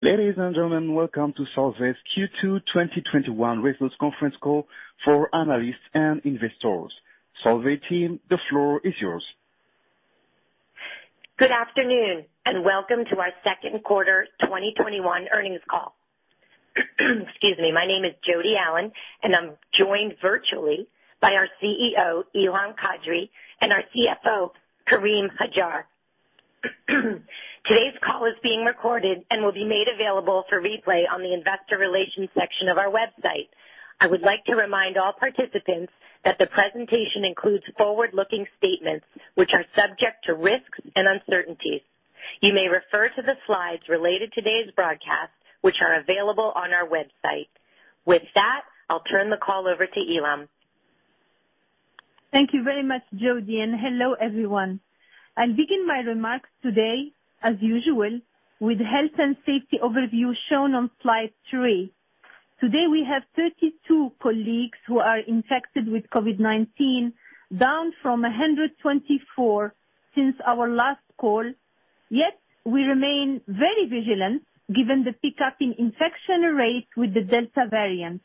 Ladies and gentlemen, welcome to Solvay's Q2 2021 Results Conference Call for analysts and investors. Solvay team, the floor is yours. Good afternoon and welcome to our second quarter 2021 earnings call. Excuse me. My name is Jodi Allen, and I'm joined virtually by our CEO, Ilham Kadri, and our CFO, Karim Hajjar. Today's call is being recorded and will be made available for replay on the investor relations section of our website. I would like to remind all participants that the presentation includes forward-looking statements which are subject to risks and uncertainties. You may refer to the slides related to today's broadcast, which are available on our website. With that, I'll turn the call over to Ilham. Thank you very much, Jodi, and hello, everyone. I'll begin my remarks today, as usual, with health and safety overview shown on slide three. Today, we have 32 colleagues who are infected with COVID-19, down from 124 since our last call. Yet we remain very vigilant given the pick-up in infection rate with the Delta variant.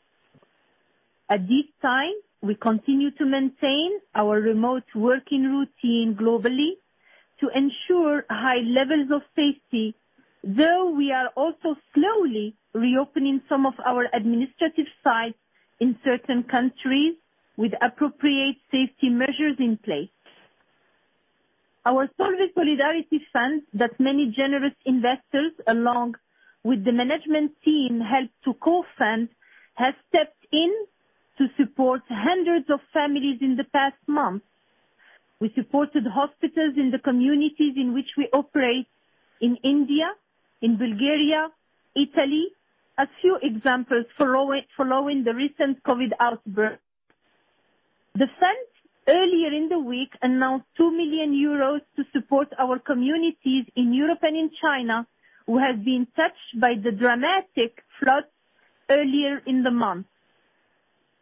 At this time, we continue to maintain our remote working routine globally to ensure high levels of safety, though we are also slowly reopening some of our administrative sites in certain countries with appropriate safety measures in place. Our Solvay Solidarity Fund that many generous investors, along with the management team, helped to co-fund, has stepped in to support hundreds of families in the past month. We supported hospitals in the communities in which we operate in India, in Bulgaria, Italy, a few examples following the recent COVID outburst. The fund, earlier in the week, announced 2 million euros to support our communities in Europe and in China who have been touched by the dramatic floods earlier in the month.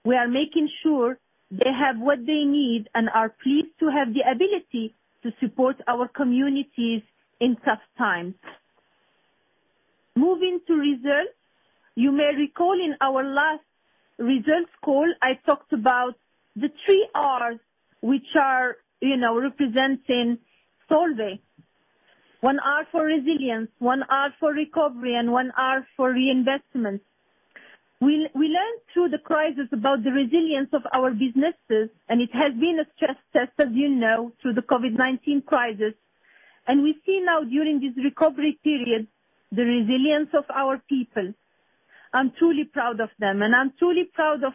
We are making sure they have what they need and are pleased to have the ability to support our communities in tough times. Moving to results. You may recall in our last results call, I talked about the 3Rs, which are representing Solvay. One R for Resilience, one R for Recovery, and one R for Reinvestment. We learned through the crisis about the resilience of our businesses, and it has been a stress test, as you know, through the COVID-19 crisis. We see now during this recovery period, the resilience of our people. I'm truly proud of them, and I'm truly proud of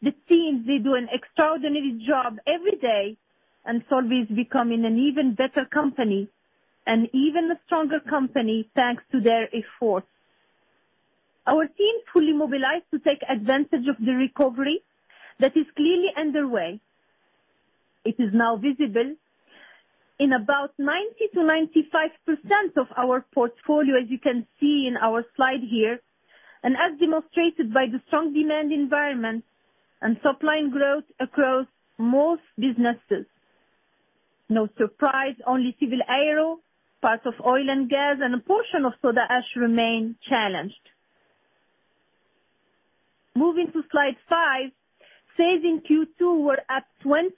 the teams. They do an extraordinary job every day, and Solvay is becoming an even better company and even a stronger company thanks to their efforts. Our team fully mobilized to take advantage of the recovery that is clearly underway. It is now visible in about 90%-95% of our portfolio, as you can see in our slide here, and as demonstrated by the strong demand environment and top line growth across most businesses. No surprise, only Civil Aero, parts of Oil & Gas, and a portion of Soda Ash remain challenged. Moving to slide five. Sales in Q2 were up 20%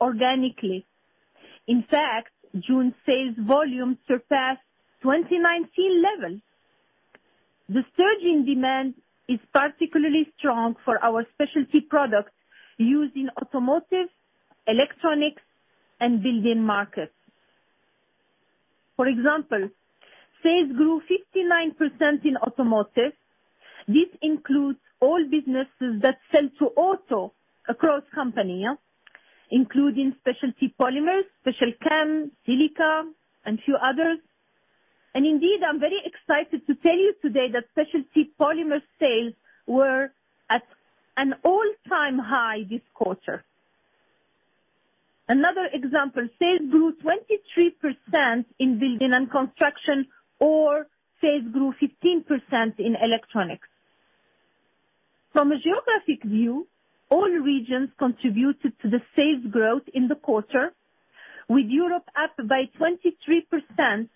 organically. In fact, June sales volume surpassed 2019 levels. The surge in demand is particularly strong for our specialty products used in automotive, electronics, and building markets. For example, sales grew 59% in automotive. This includes all businesses that sell to auto across company, including Specialty Polymers, SpecialChem, Silica, and a few others. Indeed, I'm very excited to tell you today that Specialty Polymers sales were at an all-time high this quarter. Another example, sales grew 23% in building and construction, or sales grew 15% in electronics. From a geographic view, all regions contributed to the sales growth in the quarter, with Europe up by 23%,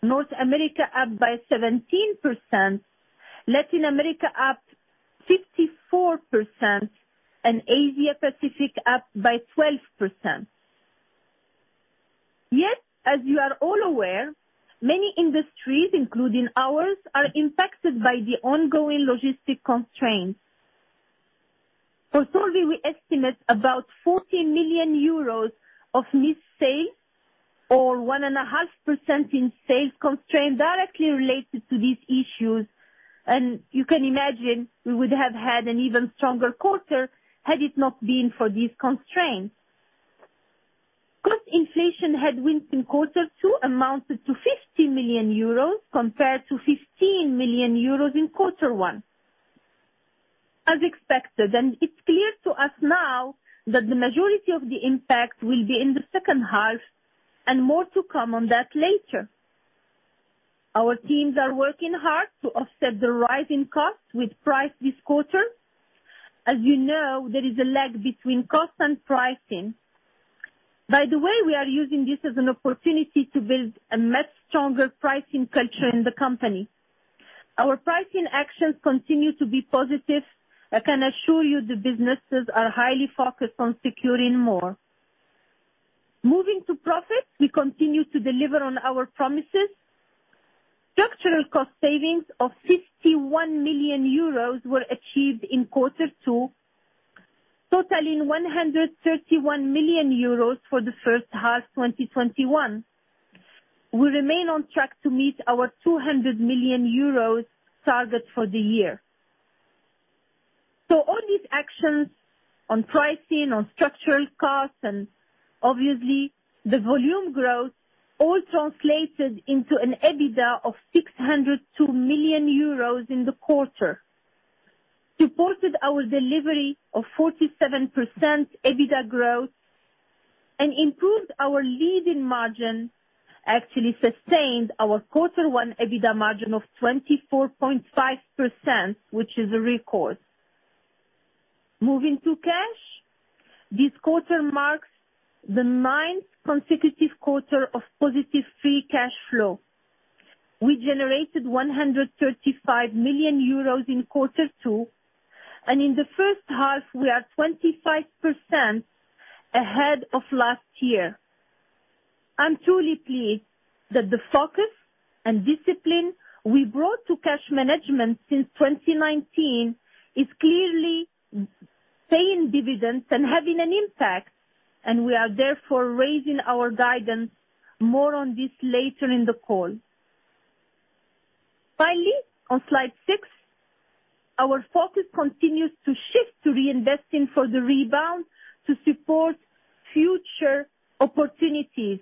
North America up by 17%, Latin America up 54%, and Asia Pacific up by 12%. As you are all aware, many industries, including ours, are impacted by the ongoing logistic constraints. For Solvay, we estimate about 40 million euros of missed sales or 1.5% in sales constraint directly related to these issues. You can imagine we would have had an even stronger quarter had it not been for these constraints. Cost inflation headwinds in quarter two amounted to 50 million euros compared to 15 million euros in quarter one. As expected, it's clear to us now that the majority of the impact will be in the second half, and more to come on that later. Our teams are working hard to offset the rise in costs with price this quarter. As you know, there is a lag between cost and pricing. By the way, we are using this as an opportunity to build a much stronger pricing culture in the company. Our pricing actions continue to be positive. I can assure you the businesses are highly focused on securing more. Moving to profit, we continue to deliver on our promises. Structural cost savings of 51 million euros were achieved in quarter two, totaling 131 million euros for the first half 2021. We remain on track to meet our 200 million euros target for the year. All these actions on pricing, on structural costs, and obviously the volume growth all translated into an EBITDA of 602 million euros in the quarter, supported our delivery of 47% EBITDA growth and improved our leading margin, actually sustained our quarter one EBITDA margin of 24.5%, which is a record. Moving to cash, this quarter marks the ninth consecutive quarter of positive free cash flow. We generated 135 million euros in quarter two, and in the first half, we are 25% ahead of last year. I'm truly pleased that the focus and discipline we brought to cash management since 2019 is clearly paying dividends and having an impact, and we are therefore raising our guidance. More on this later in the call. Finally, on slide six, our focus continues to shift to reinvesting for the rebound to support future opportunities.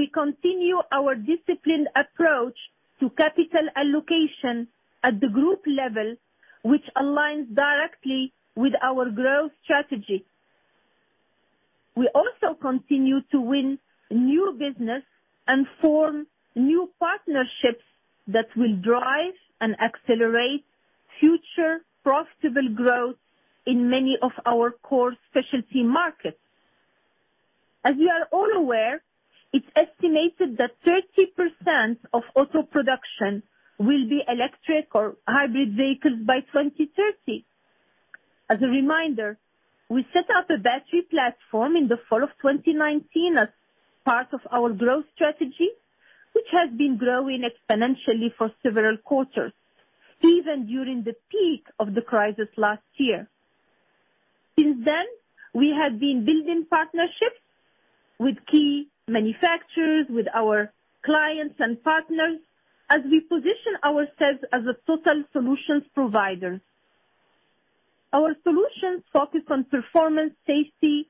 We continue our disciplined approach to capital allocation at the group level, which aligns directly with our growth strategy. We also continue to win new business and form new partnerships that will drive and accelerate future profitable growth in many of our core specialty markets. As you are all aware, it is estimated that 30% of auto production will be electric or hybrid vehicles by 2030. As a reminder, we set up a battery platform in the fall of 2019 as part of our growth strategy, which has been growing exponentially for several quarters, even during the peak of the crisis last year. Since then, we have been building partnerships with key manufacturers, with our clients and partners as we position ourselves as a total solutions provider. Our solutions focus on performance, safety,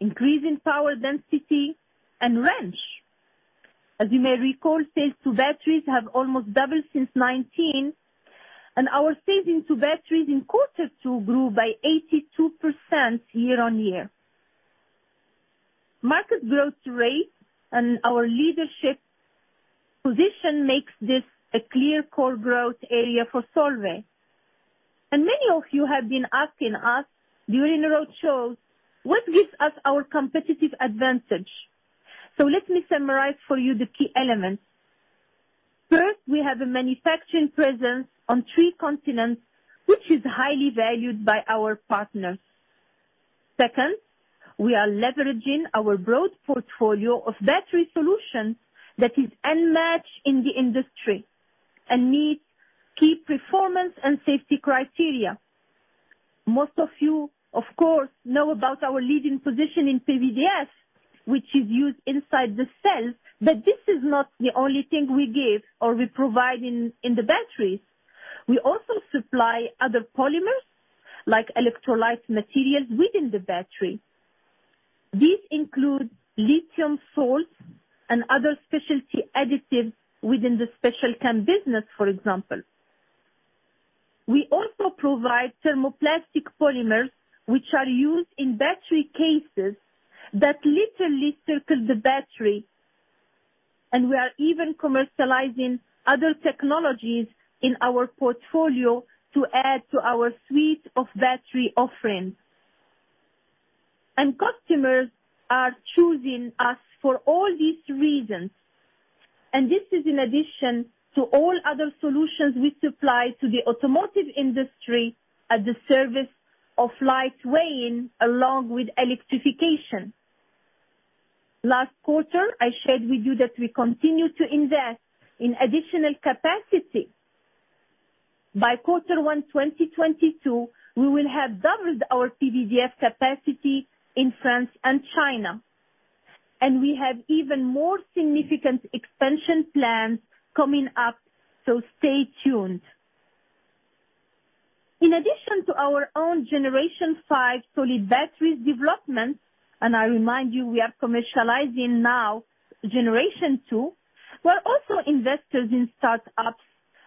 increasing power density, and range. As you may recall, sales to batteries have almost doubled since 2019, and our sales into batteries in quarter two grew by 82% year-on-year. Market growth rate and our leadership position makes this a clear core growth area for Solvay. Many of you have been asking us during road shows, what gives us our competitive advantage? Let me summarize for you the key elements. First, we have a manufacturing presence on three continents, which is highly valued by our partners. Second, we are leveraging our broad portfolio of battery solutions that is unmatched in the industry and meets key performance and safety criteria. Most of you, of course, know about our leading position in PVDF, which is used inside the cell, but this is not the only thing we give or we provide in the batteries. We also supply other polymers, like electrolyte materials within the battery. These include lithium salts and other specialty additives within the SpecialChem business, for example. We also provide thermoplastic polymers, which are used in battery cases that literally circle the battery, and we are even commercializing other technologies in our portfolio to add to our suite of battery offerings. Customers are choosing us for all these reasons, and this is in addition to all other solutions we supply to the automotive industry at the service of light weighing along with electrification. Last quarter, I shared with you that we continue to invest in additional capacity. By quarter one 2022, we will have doubled our PVDF capacity in France and China, and we have even more significant expansion plans coming up, so stay tuned. In addition to our own generation 5 solid batteries development, I remind you, we are commercializing now generation 2. We are also investors in startups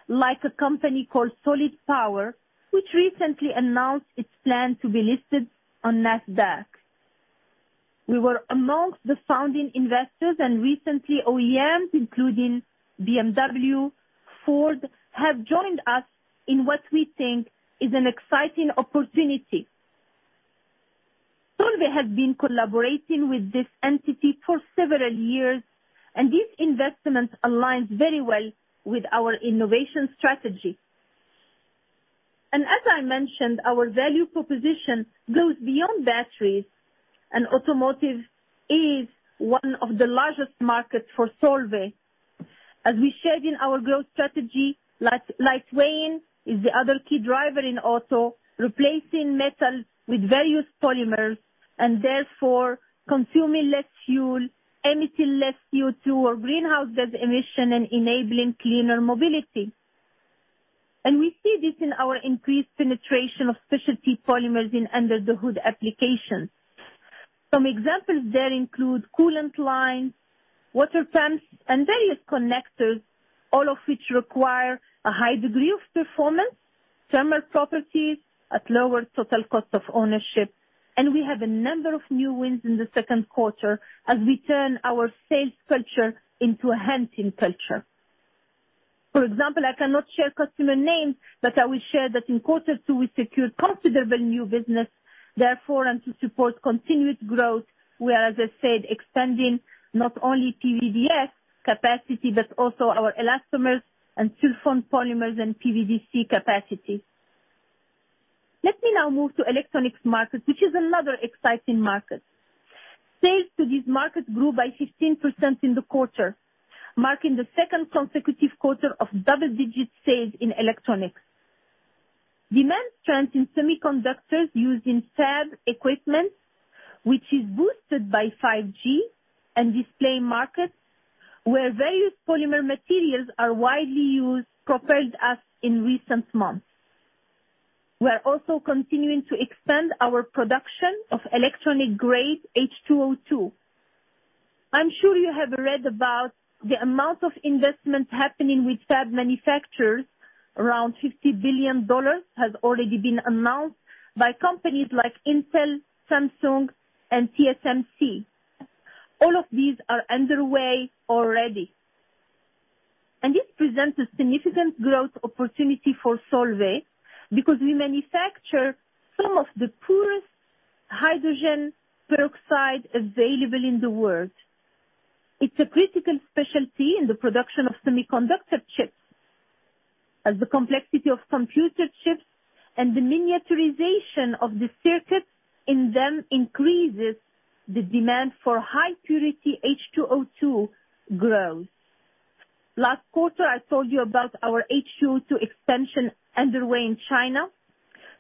like a company called Solid Power, which recently announced its plan to be listed on NASDAQ. Recently OEMs, including BMW, Ford have joined us in what we think is an exciting opportunity. Solvay has been collaborating with this entity for several years, this investment aligns very well with our innovation strategy. As I mentioned, our value proposition goes beyond batteries, and automotive is one of the largest markets for Solvay. As we shared in our growth strategy, lightweight is the other key driver in auto, replacing metal with various polymers and therefore consuming less fuel, emitting less CO2 or greenhouse gas emission, and enabling cleaner mobility. We see this in our increased penetration of Specialty Polymers in under-the-hood applications. Some examples there include coolant lines, water pumps, and various connectors, all of which require a high degree of performance, thermal properties at lower total cost of ownership. We have a number of new wins in the second quarter as we turn our sales culture into a hunting culture. For example, I cannot share customer names. I will share that in quarter two, we secured considerable new business. To support continued growth, we are, as I said, expanding not only PVDF capacity, but also our elastomers and sulfone polymers and PVDC capacity. Let me now move to electronics market, which is another exciting market. Sales to this market grew by 15% in the quarter, marking the second consecutive quarter of double-digit sales in electronics. Demand strength in semiconductors used in fab equipment, which is boosted by 5G and display markets where various polymer materials are widely used, propelled us in recent months. We are also continuing to expand our production of electronic-grade H2O2. I'm sure you have read about the amount of investment happening with fab manufacturers. Around $50 billion has already been announced by companies like Intel, Samsung, and TSMC. All of these are underway already. This presents a significant growth opportunity for Solvay because we manufacture some of the purest hydrogen peroxide available in the world. It's a critical specialty in the production of semiconductor chips. As the complexity of computer chips and the miniaturization of the circuits in them increases, the demand for high purity H2O2 grows. Last quarter, I told you about our H2O2 expansion underway in China.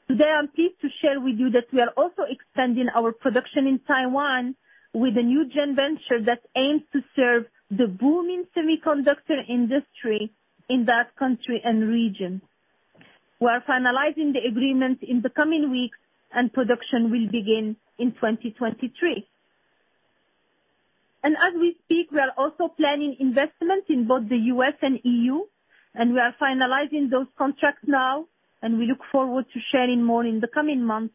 Today, I'm pleased to share with you that we are also expanding our production in Taiwan with a new joint venture that aims to serve the booming semiconductor industry in that country and region. We are finalizing the agreement in the coming weeks, production will begin in 2023. As we speak, we are also planning investment in both the U.S. and EU, we are finalizing those contracts now, we look forward to sharing more in the coming months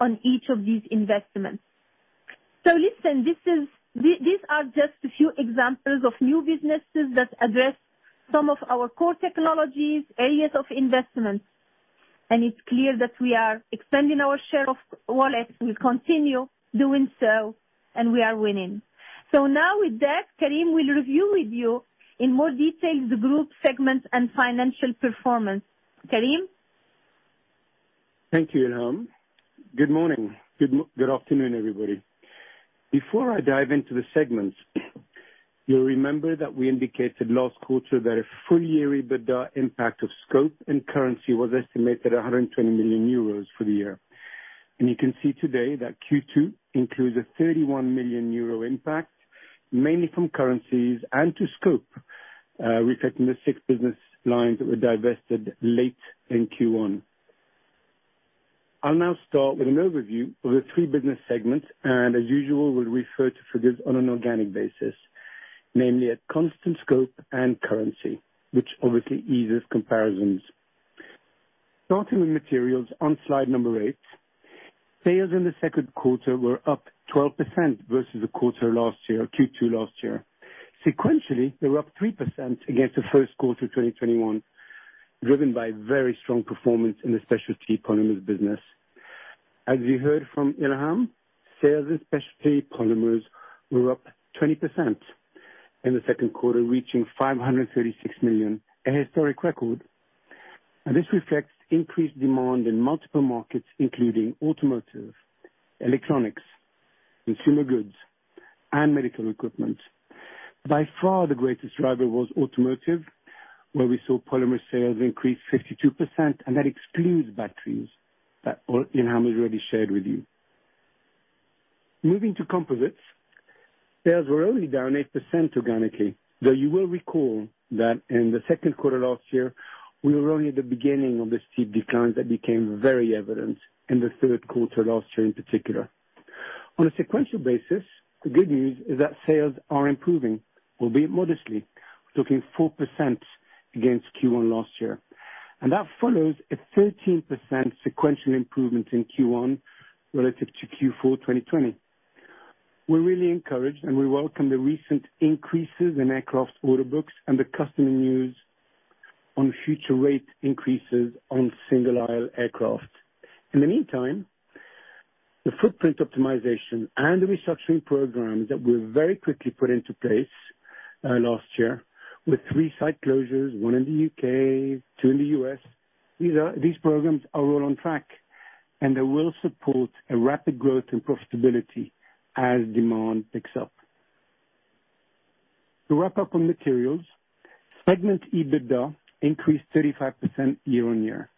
on each of these investments. Listen, these are just a few examples of new businesses that address some of our core technologies, areas of investment, it's clear that we are expanding our share of wallet. We'll continue doing so, we are winning. Now with that, Karim will review with you in more detail the group segment and financial performance. Karim. Thank you, Ilham. Good morning. Good afternoon, everybody. Before I dive into the segments, you'll remember that we indicated last quarter that a full-year EBITDA impact of scope and currency was estimated 120 million euros for the year. You can see today that Q2 includes a 31 million euro impact, mainly from currencies and to scope, reflecting the six business lines that were divested late in Q1. I'll now start with an overview of the three business segments, as usual, we'll refer to figures on an organic basis, namely at constant scope and currency, which obviously eases comparisons. Starting with Materials on slide number eight. Sales in the second quarter were up 12% versus the quarter last year, Q2 last year. Sequentially, they were up 3% against the first quarter 2021, driven by very strong performance in the Specialty Polymers business. As you heard from Ilham, sales in Specialty Polymers were up 20% in the second quarter, reaching 536 million, a historic record. This reflects increased demand in multiple markets including automotive, electronics, consumer goods, and medical equipment. By far, the greatest driver was automotive, where we saw polymer sales increase 52%, and that excludes batteries that Ilham has already shared with you. Moving to composites, sales were only down 8% organically, though you will recall that in the second quarter last year, we were only at the beginning of the steep declines that became very evident in the third quarter last year in particular. On a sequential basis, the good news is that sales are improving, albeit modestly, we're talking 4% against Q1 last year, and that follows a 13% sequential improvement in Q1 relative to Q4 2020. We're really encouraged, and we welcome the recent increases in aircraft order books and the customer news on future rate increases on single-aisle aircraft. In the meantime, the footprint optimization and the restructuring programs that were very quickly put into place last year with three site closures, one in the U.K., two in the U.S., these programs are all on track, and they will support a rapid growth and profitability as demand picks up. To wrap up on materials, segment EBITDA increased 35% year-on-year.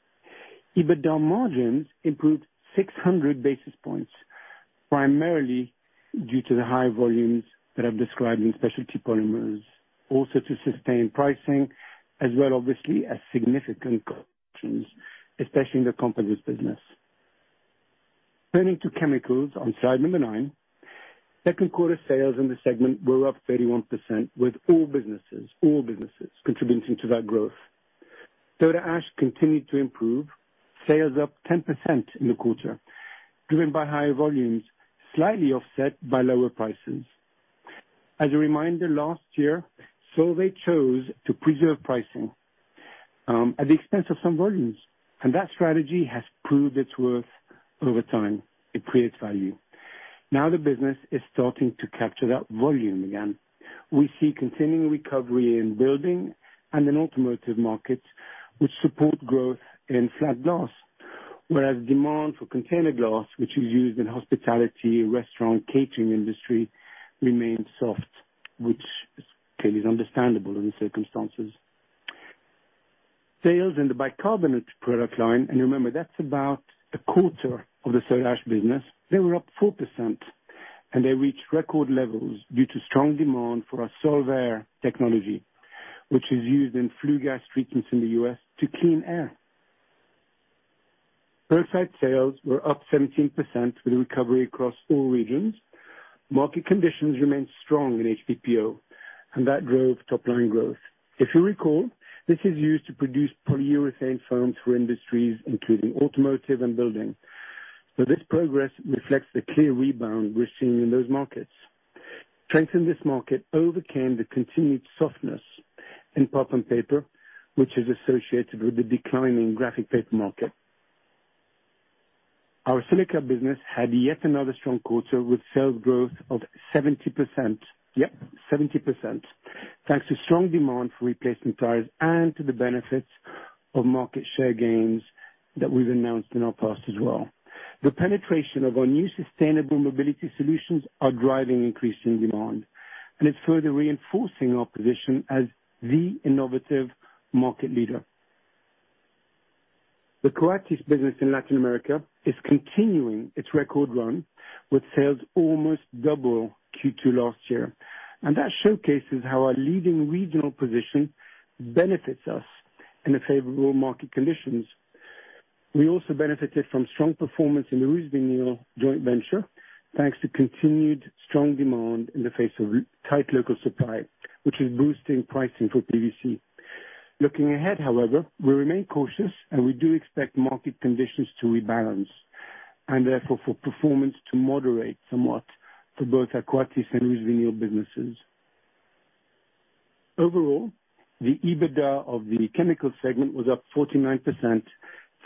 EBITDA margins improved 600 basis points, primarily due to the high volumes that I've described in Specialty Polymers, also to sustain pricing, as well obviously as significant corrections, especially in the composites business. Turning to chemicals on slide number nine. Second quarter sales in the segment were up 31%, with all businesses contributing to that growth. Soda Ash continued to improve. Sales up 10% in the quarter, driven by higher volumes, slightly offset by lower prices. As a reminder, last year, Solvay chose to preserve pricing at the expense of some volumes, and that strategy has proved its worth over time. It creates value. Now the business is starting to capture that volume again. We see continuing recovery in building and in automotive markets, which support growth in flat glass. Demand for container glass, which is used in hospitality, restaurant, catering industry, remains soft, which clearly is understandable in the circumstances. Sales in the bicarbonate product line, remember, that's about a quarter of the Soda Ash business, they were up 4%, they reached record levels due to strong demand for our Solvay technology, which is used in flue gas treatments in the U.S. to clean air. Peroxides sales were up 17% with a recovery across all regions. Market conditions remained strong in HPPO, that drove top-line growth. If you recall, this is used to produce polyurethane foams for industries including automotive and building. This progress reflects the clear rebound we're seeing in those markets. Strength in this market overcame the continued softness in pulp and paper, which is associated with the declining graphic paper market. Our Silica business had yet another strong quarter with sales growth of 70%. Yep, 70%. Thanks to strong demand for replacement tires and to the benefits of market share gains that we've announced in our past as well. The penetration of our new sustainable mobility solutions are driving increasing demand, and it's further reinforcing our position as the innovative market leader. The Coatis business in Latin America is continuing its record run, with sales almost double Q2 last year. That showcases how our leading regional position benefits us in the favorable market conditions. We also benefited from strong performance in the RusVinyl joint venture, thanks to continued strong demand in the face of tight local supply, which is boosting pricing for PVC. Looking ahead, however, we remain cautious, and we do expect market conditions to rebalance, and therefore for performance to moderate somewhat for both Coatis and RusVinyl businesses. Overall, the EBITDA of the chemical segment was up 49%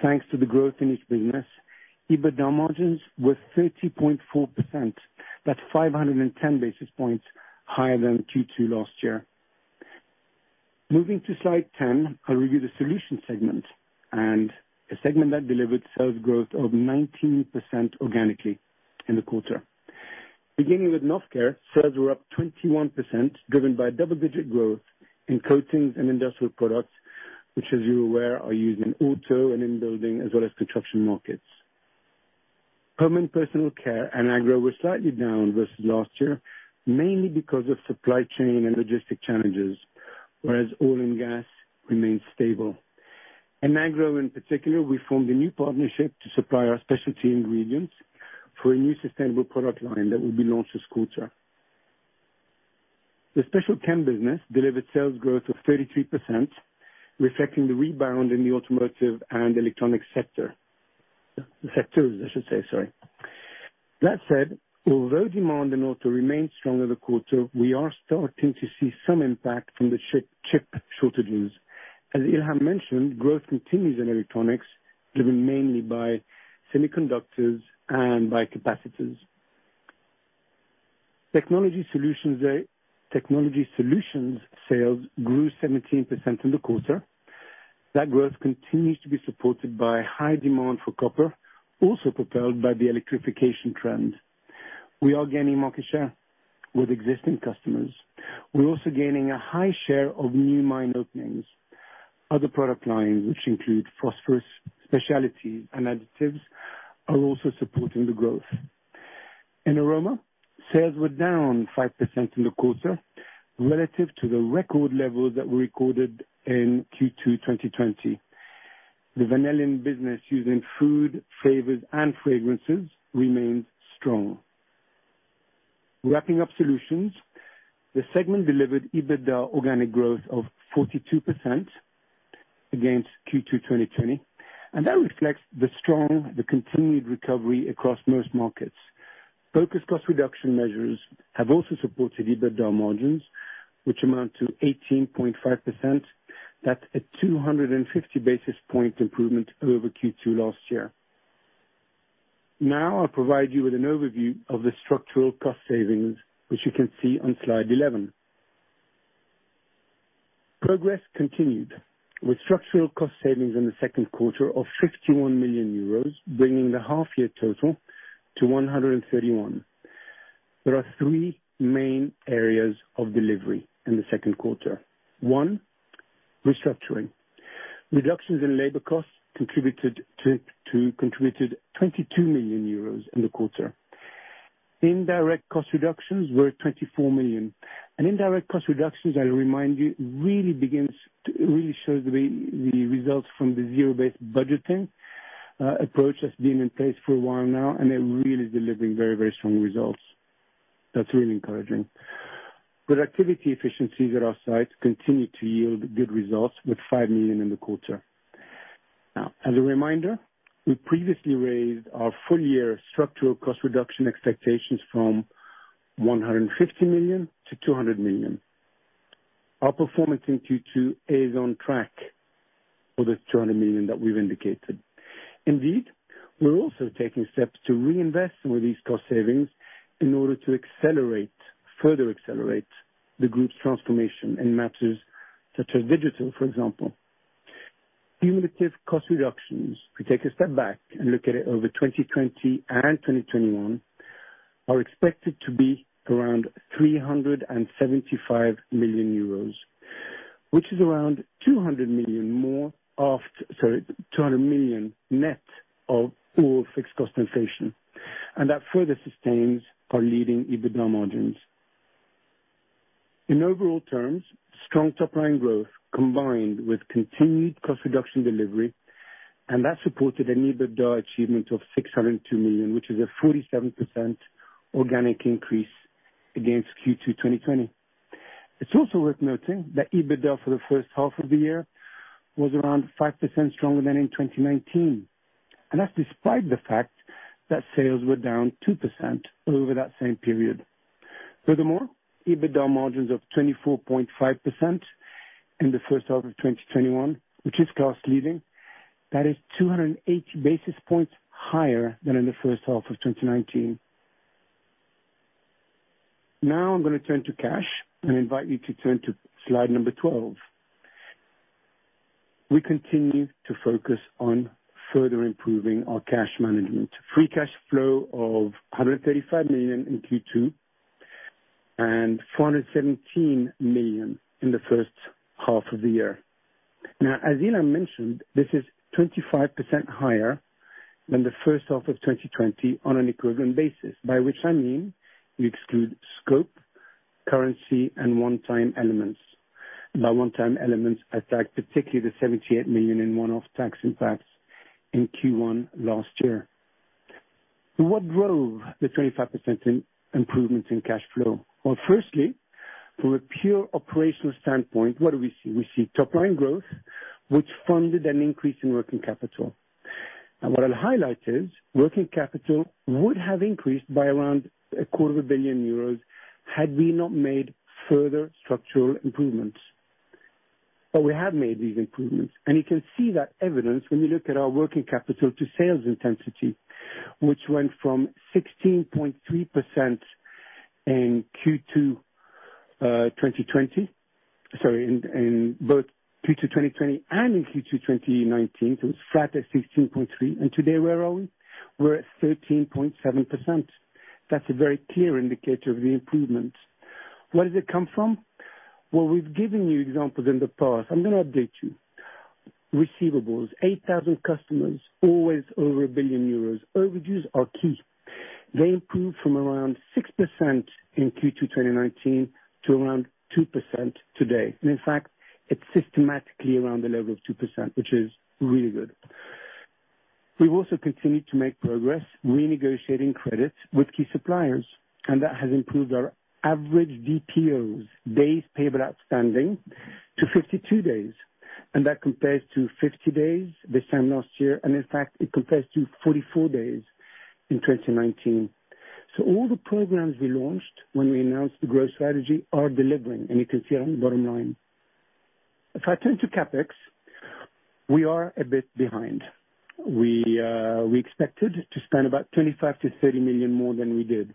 thanks to the growth in each business. EBITDA margins were 30.4%. That's 510 basis points higher than Q2 last year. Moving to slide 10, I'll review the solution segment and a segment that delivered sales growth of 19% organically in the quarter. Beginning with Novecare, sales were up 21%, driven by double-digit growth in coatings and industrial products, which, as you're aware, are used in auto and in building, as well as construction markets. Home and personal care and agro were slightly down versus last year, mainly because of supply chain and logistic challenges, whereas Oil & Gas remained stable. In agro in particular, we formed a new partnership to supply our specialty ingredients for a new sustainable product line that will be launched this quarter. The SpecialChem business delivered sales growth of 33%, reflecting the rebound in the automotive and electronic sector. Sectors, I should say, sorry. That said, although demand in auto remained strong over the quarter, we are starting to see some impact from the chip shortages. As Ilham mentioned, growth continues in electronics, driven mainly by semiconductors and by capacitors. Technology Solutions sales grew 17% in the quarter. That growth continues to be supported by high demand for copper, also propelled by the electrification trend. We are gaining market share with existing customers. We're also gaining a high share of new mine openings. Other product lines, which include phosphorus, specialty, and additives, are also supporting the growth. In Aroma, sales were down 5% in the quarter relative to the record levels that we recorded in Q2 2020. The vanillin business used in food, flavors, and fragrances remains strong. Wrapping up solutions, the segment delivered EBITDA organic growth of 42%. Against Q2 2020. That reflects the strong, continued recovery across most markets. Focused cost reduction measures have also supported EBITDA margins, which amount to 18.5%. That's a 250 basis point improvement over Q2 last year. Now I'll provide you with an overview of the structural cost savings, which you can see on slide 11. Progress continued with structural cost savings in the second quarter of 51 million euros, bringing the half year total to 131 million. There are three main areas of delivery in the second quarter. One, restructuring. Reductions in labor costs contributed 22 million euros in the quarter. Indirect cost reductions were 24 million. Indirect cost reductions, I remind you, really shows the results from the zero-based budgeting approach that's been in place for a while now, and they're really delivering very strong results. That's really encouraging. Productivity efficiencies at our sites continue to yield good results with 5 million in the quarter. As a reminder, we previously raised our full year structural cost reduction expectations from 150 million-200 million. Our performance in Q2 is on track for the 200 million that we've indicated. We're also taking steps to reinvest some of these cost savings in order to further accelerate the group's transformation in matters such as digital, for example. Cumulative cost reductions, if we take a step back and look at it over 2020 and 2021, are expected to be around 375 million euros, which is around 200 million net of all fixed cost inflation, and that further sustains our leading EBITDA margins. In overall terms, strong top line growth combined with continued cost reduction delivery, that supported an EBITDA achievement of 602 million, which is a 47% organic increase against Q2 2020. It's also worth noting that EBITDA for the first half of the year was around 5% stronger than in 2019, that's despite the fact that sales were down 2% over that same period. Furthermore, EBITDA margins of 24.5% in the first half of 2021, which is cost leading. That is 280 basis points higher than in the first half of 2019. I'm going to turn to cash and invite you to turn to slide 12. We continue to focus on further improving our cash management. Free cash flow of 135 million in Q2 and 417 million in the first half of the year. As Ilham mentioned, this is 25% higher than the first half of 2020 on an equivalent basis, by which I mean you exclude scope, currency, and one-time elements. By one-time elements, I flag particularly the 78 million in one-off tax impacts in Q1 last year. What drove the 25% in improvements in cash flow? Firstly, from a pure operational standpoint, what do we see? We see top line growth, which funded an increase in working capital. What I'll highlight is working capital would have increased by around a quarter of a billion euros had we not made further structural improvements. We have made these improvements, and you can see that evidence when you look at our working capital to sales intensity, which went from 16.3% in both Q2 2020 and in Q2 2019. It's flat at 16.3%, and today we're at 13.7%. That's a very clear indicator of the improvements. Where does it come from? Well, we've given you examples in the past. I'm going to update you. Receivables, 8,000 customers, always over 1 billion euros. Overages are key. They improved from around 6% in Q2 2019 to around 2% today. In fact, it's systematically around the level of 2%, which is really good. We've also continued to make progress renegotiating credits with key suppliers, that has improved our average DPOs, days payable outstanding, to 52 days, that compares to 50 days this time last year, in fact it compares to 44 days in 2019. All the programs we launched when we announced the growth strategy are delivering, you can see that on the bottom line. If I turn to CapEx, we are a bit behind. We expected to spend about 25 million-30 million more than we did.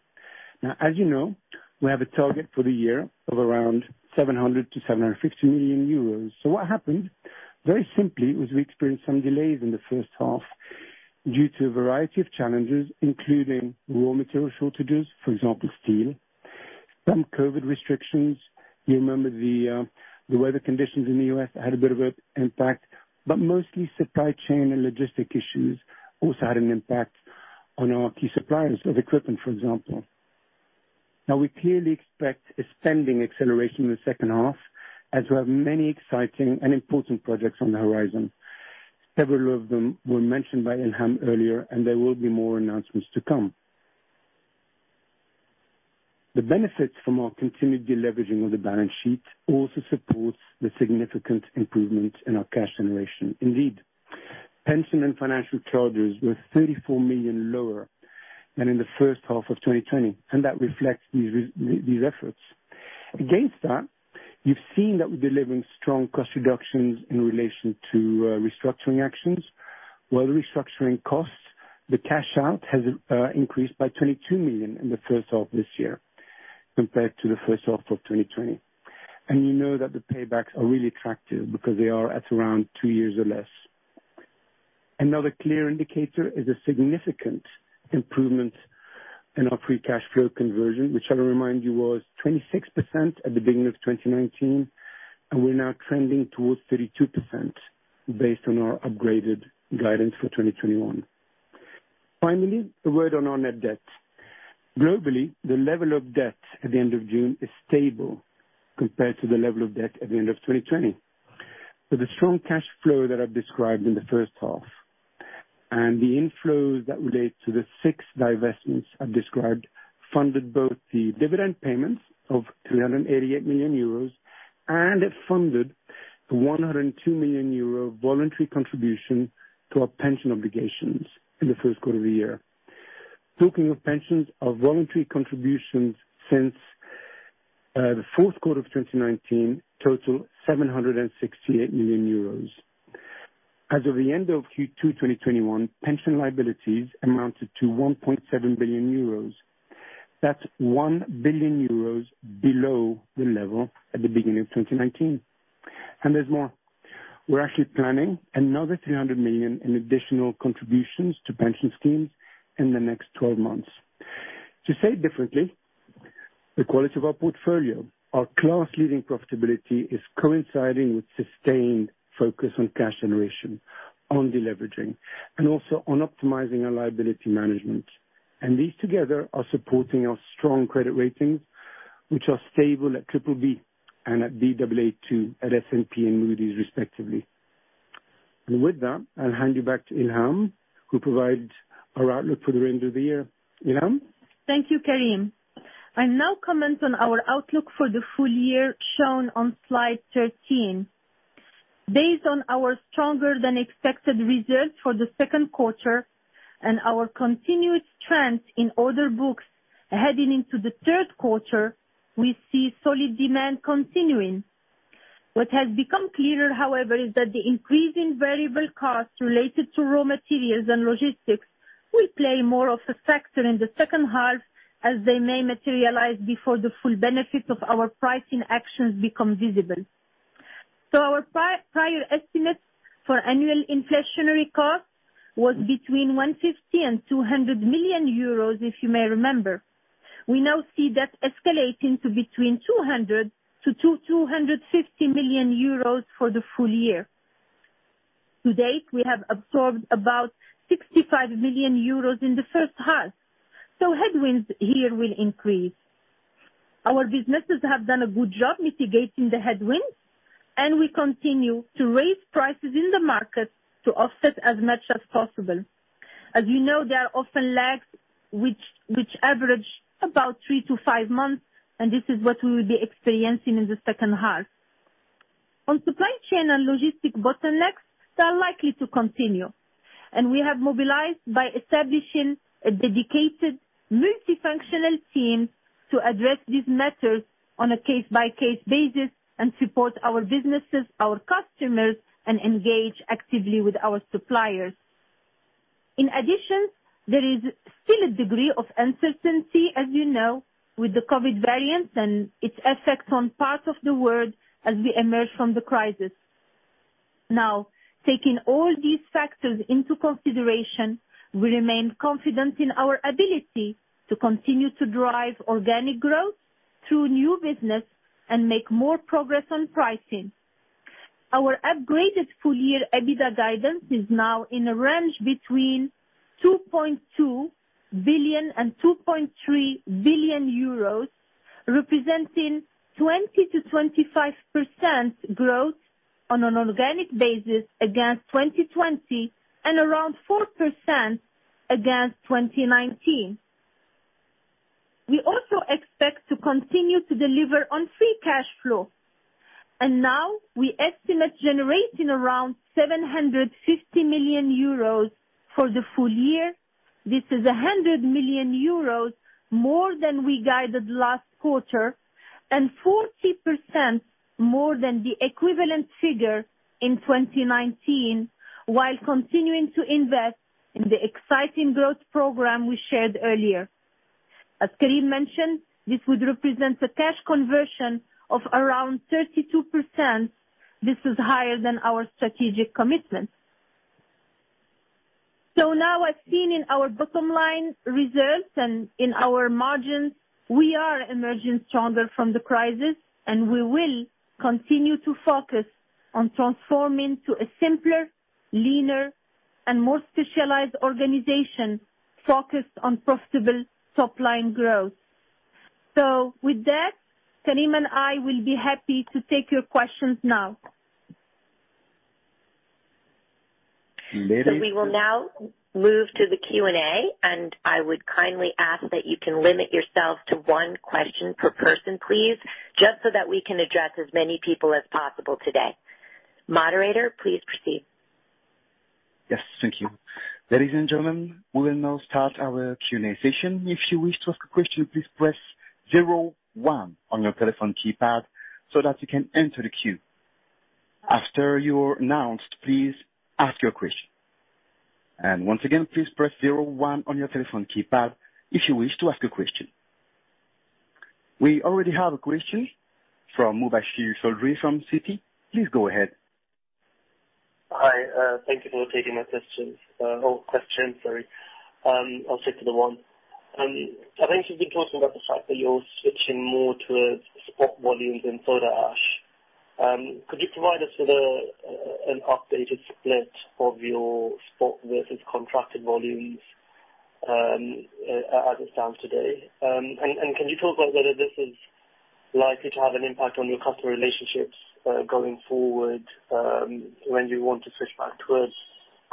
As you know, we have a target for the year of around 700 million-750 million euros. What happened, very simply, was we experienced some delays in the first half due to a variety of challenges, including raw material shortages, for example, steel, some COVID restrictions. You remember the weather conditions in the U.S. had a bit of an impact but mostly supply chain and logistic issues also had an impact on our key suppliers of equipment, for example. We clearly expect a spending acceleration in the second half as we have many exciting and important projects on the horizon. Several of them were mentioned by Ilham earlier, and there will be more announcements to come. The benefits from our continued deleveraging of the balance sheet also supports the significant improvement in our cash generation. Pension and financial charges were 34 million lower than in the first half of 2020, and that reflects these efforts. Against that, you've seen that we're delivering strong cost reductions in relation to restructuring actions, while the restructuring costs, the cash out, has increased by 22 million in the first half of this year compared to the first half of 2020. We know that the paybacks are really attractive because they are at around two years or less. Another clear indicator is a significant improvement in our free cash flow conversion, which I'll remind you, was 26% at the beginning of 2019, and we're now trending towards 32% based on our upgraded guidance for 2021. Finally, a word on our net debt. Globally, the level of debt at the end of June is stable compared to the level of debt at the end of 2020. With the strong cash flow that I've described in the first half, and the inflows that relate to the six divestments I've described, funded both the dividend payments of 388 million euros, and it funded the 102 million euro voluntary contribution to our pension obligations in the first quarter of the year. Talking of pensions, our voluntary contributions since the fourth quarter of 2019 total 768 million euros. As of the end of Q2 2021, pension liabilities amounted to 1.7 billion euros. That's 1 billion euros below the level at the beginning of 2019. There's more. We're actually planning another 300 million in additional contributions to pension schemes in the next 12 months. To say it differently, the quality of our portfolio, our class-leading profitability, is coinciding with sustained focus on cash generation, on deleveraging, and also on optimizing our liability management. These together are supporting our strong credit ratings, which are stable at BBB and at Baa2 at S&P and Moody's respectively. With that, I'll hand you back to Ilham, who'll provide our outlook for the remainder of the year. Ilham? Thank you, Karim. I now comment on our outlook for the full year shown on slide 13. Based on our stronger than expected results for the second quarter and our continued strength in order books heading into the third quarter, we see solid demand continuing. What has become clearer, however, is that the increase in variable costs related to raw materials and logistics will play more of a factor in the second half, as they may materialize before the full benefit of our pricing actions become visible. Our prior estimates for annual inflationary costs was between 150 million and 200 million euros, if you may remember. We now see that escalating to between 200 million-250 million euros for the full year. To date, we have absorbed about 65 million euros in the first half, so headwinds here will increase. Our businesses have done a good job mitigating the headwinds, and we continue to raise prices in the market to offset as much as possible. As you know, there are often lags which average about three to five months, and this is what we will be experiencing in the second half. On supply chain and logistic bottlenecks, they are likely to continue, and we have mobilized by establishing a dedicated multifunctional team to address these matters on a case-by-case basis and support our businesses, our customers, and engage actively with our suppliers. In addition, there is still a degree of uncertainty, as you know, with the COVID-19 variants and its effects on parts of the world as we emerge from the crisis. Now, taking all these factors into consideration, we remain confident in our ability to continue to drive organic growth through new business and make more progress on pricing. Our upgraded full year EBITDA guidance is now in a range between 2.2 billion and 2.3 billion euros, representing 20%-25% growth on an organic basis against 2020, and around 4% against 2019. We also expect to continue to deliver on free cash flow, and now we estimate generating around 750 million euros for the full year. This is 100 million euros more than we guided last quarter, and 40% more than the equivalent figure in 2019, while continuing to invest in the exciting growth program we shared earlier. As Karim mentioned, this would represent a cash conversion of around 32%. This is higher than our strategic commitment. Now as seen in our bottom line results and in our margins, we are emerging stronger from the crisis, and we will continue to focus on transforming to a simpler, leaner, and more specialized organization focused on profitable top-line growth. With that, Karim and I will be happy to take your questions now. We now move to the Q&A, and I would kindly ask that you can limit yourself to onr question per person, please, just so that we can address as many people as possible today. Moderator, please proceed. Yes. Thank you. Ladies and gentlemen, we will now start our Q&A session. If you wish to ask a question, please press zero one on your telephone keypad so that you can enter the queue. After you're announced, please ask your question. Once again, please press zero one on your telephone keypad if you wish to ask a question. We already have a question from Mubasher Chaudhry from Citi. Please go ahead. Hi. Thank you for taking my questions. I'll stick to the one. I think you've been talking about the fact that you're switching more towards spot volumes in Soda Ash. Could you provide us with an updated split of your spot versus contracted volumes, as it stands today? Can you talk about whether this is likely to have an impact on your customer relationships going forward when you want to switch back towards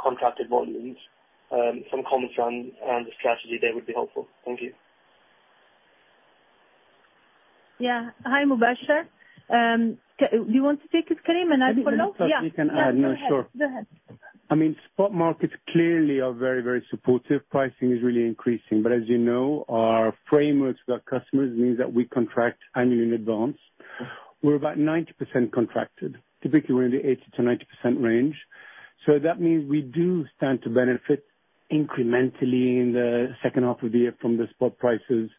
contracted volumes? Some comments on the strategy there would be helpful. Thank you. Yeah. Hi, Mubasher. Do you want to take it, Karim, and I follow? Yeah. You can add. No, sure. Go ahead. I mean, spot markets clearly are very, very supportive. Pricing is really increasing. As you know, our frameworks with our customers means that we contract annually in advance. We're about 90% contracted. Typically, we're in the 80%-90% range. That means we do stand to benefit incrementally in the second half of the year from the spot prices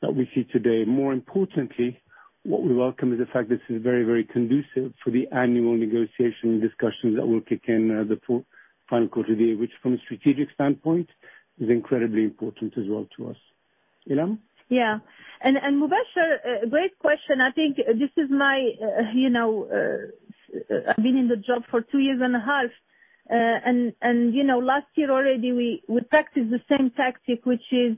that we see today. More importantly, what we welcome is the fact this is very, very conducive for the annual negotiation discussions that will kick in the final quarter of the year, which from a strategic standpoint is incredibly important as well to us. Ilham? Yeah. Mubasher, great question. I've been in the job for two years and half, and you know, last year already, we practiced the same tactic, which is,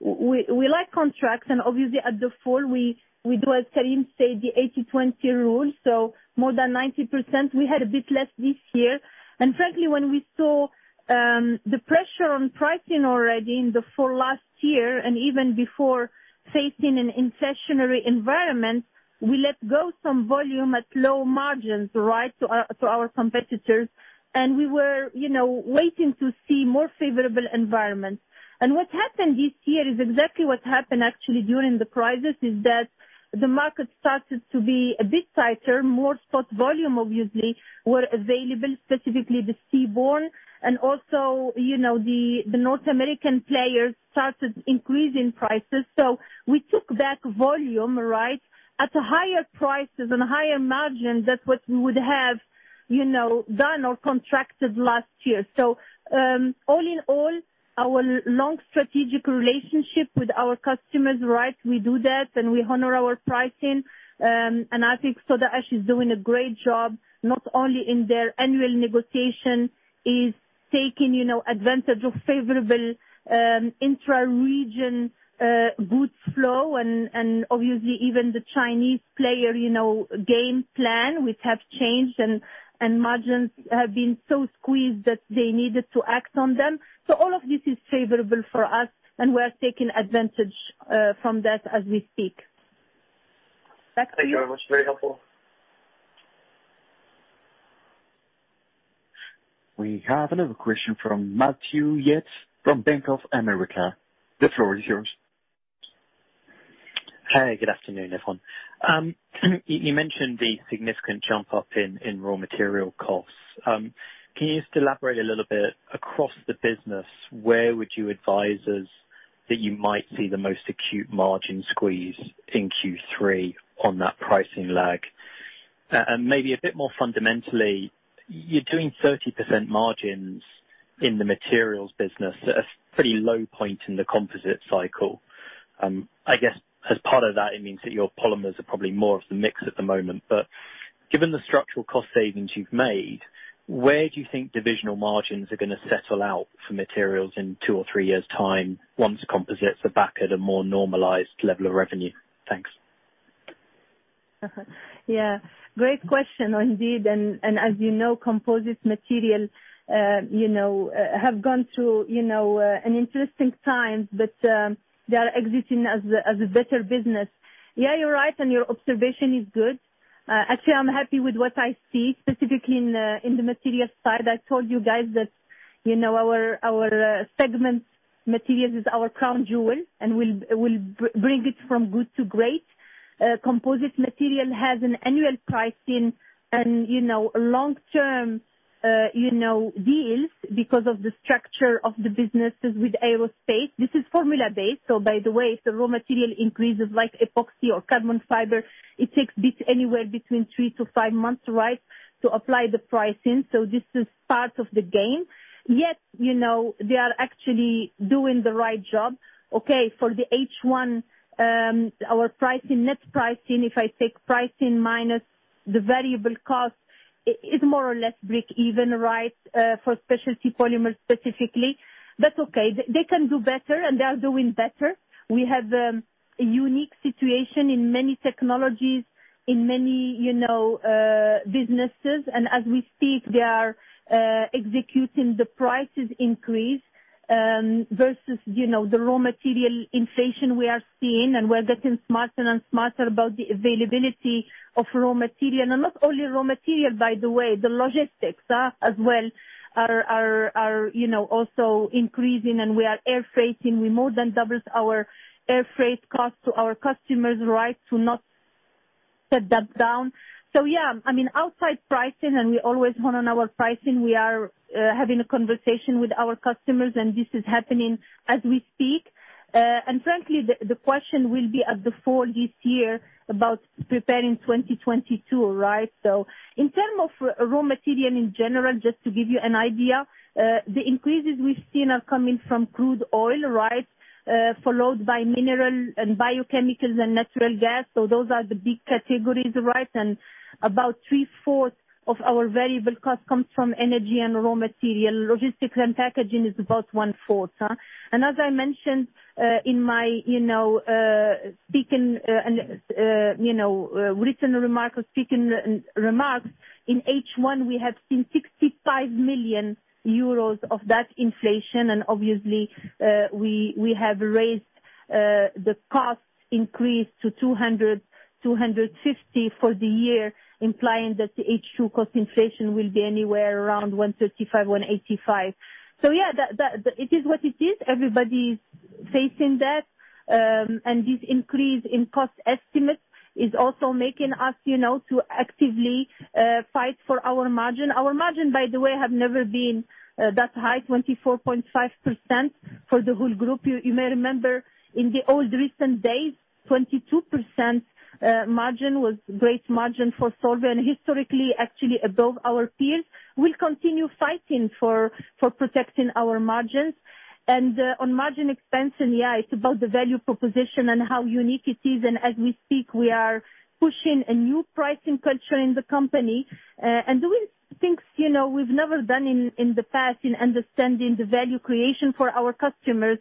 we like contracts, obviously at the fall, we do, as Karim said, the 80-20 rule, so more than 90%. We had a bit less this year. Frankly, when we saw the pressure on pricing already in the fall last year, even before facing an inflationary environment, we let go some volume at low margins to our competitors. We were waiting to see more favorable environments. What happened this year is exactly what happened actually during the crisis, is that the market started to be a bit tighter. More spot volume obviously were available, specifically the seaborne, also the North American players started increasing prices. We took back volume at higher prices and higher margins than what we would have done or contracted last year. All in all, our long strategic relationship with our customers, we do that, and we honor our pricing. I think Soda Ash is doing a great job, not only in their annual negotiation, is taking advantage of favorable intra-region goods flow, and obviously even the Chinese player game plan, which have changed, and margins have been so squeezed that they needed to act on them. All of this is favorable for us, and we are taking advantage from that as we speak. Back to you. Thank you very much. Very helpful. We have another question from Matthew Yates from Bank of America. The floor is yours. Hey, good afternoon, everyone. You mentioned the significant jump up in raw material costs. Can you just elaborate a little bit across the business, where would you advise us that you might see the most acute margin squeeze in Q3 on that pricing lag? Maybe a bit more fundamentally, you're doing 30% margins in the materials business at a pretty low point in the composite cycle. I guess as part of that, it means that your polymers are probably more of the mix at the moment. Given the structural cost savings you've made, where do you think divisional margins are going to settle out for materials in two or three years' time once composites are back at a more normalized level of revenue? Thanks. Yeah. Great question, indeed. As you know, composite material have gone through an interesting time, but they are exiting as a better business. Yeah. You're right, and your observation is good. Actually, I'm happy with what I see, specifically in the materials side. I told you guys that our segment materials is our crown jewel, and we'll bring it from good to great. Composite material has an annual pricing and long-term deals because of the structure of the businesses with aerospace. This is formula-based, by the way, if the raw material increases like epoxy or carbon fiber, it takes bit anywhere between three to five months to apply the pricing. This is part of the game. They are actually doing the right job. Okay. For the H1, our net pricing, if I take pricing minus the variable cost, it is more or less break even. For Specialty Polymers, specifically. That's okay. They can do better, and they are doing better. We have a unique situation in many technologies, in many businesses, and as we speak, they are executing the prices increase versus the raw material inflation we are seeing, and we're getting smarter and smarter about the availability of raw material. Not only raw material, by the way, the logistics as well are also increasing, and we are air freighting. We more than doubled our air freight cost to our customers to not shut that down. Yeah, outside pricing, and we always want on our pricing, we are having a conversation with our customers, and this is happening as we speak. Frankly, the question will be at the fall this year about preparing 2022, right. In terms of raw material in general, just to give you an idea, the increases we've seen are coming from crude oil. Followed by mineral and biochemicals and natural gas. Those are the big categories. About three-fourths of our variable cost comes from energy and raw material. Logistics and packaging is about 1/4. As I mentioned in my written remarks or speaking remarks, in H1, we have seen 65 million euros of that inflation, and obviously, we have raised the cost increase to 200 million-250 million for the year, implying that the H2 cost inflation will be anywhere around 135 million-185 million. Yeah, it is what it is. Everybody's facing that. This increase in cost estimate is also making us to actively fight for our margin. Our margin, by the way, have never been that high, 24.5% for the whole group. You may remember in the old recent days, 22% margin was great margin for Solvay, historically, actually above our peers. We'll continue fighting for protecting our margins. On margin expansion, yeah, it's about the value proposition and how unique it is. As we speak, we are pushing a new pricing culture in the company, and doing things we've never done in the past in understanding the value creation for our customers.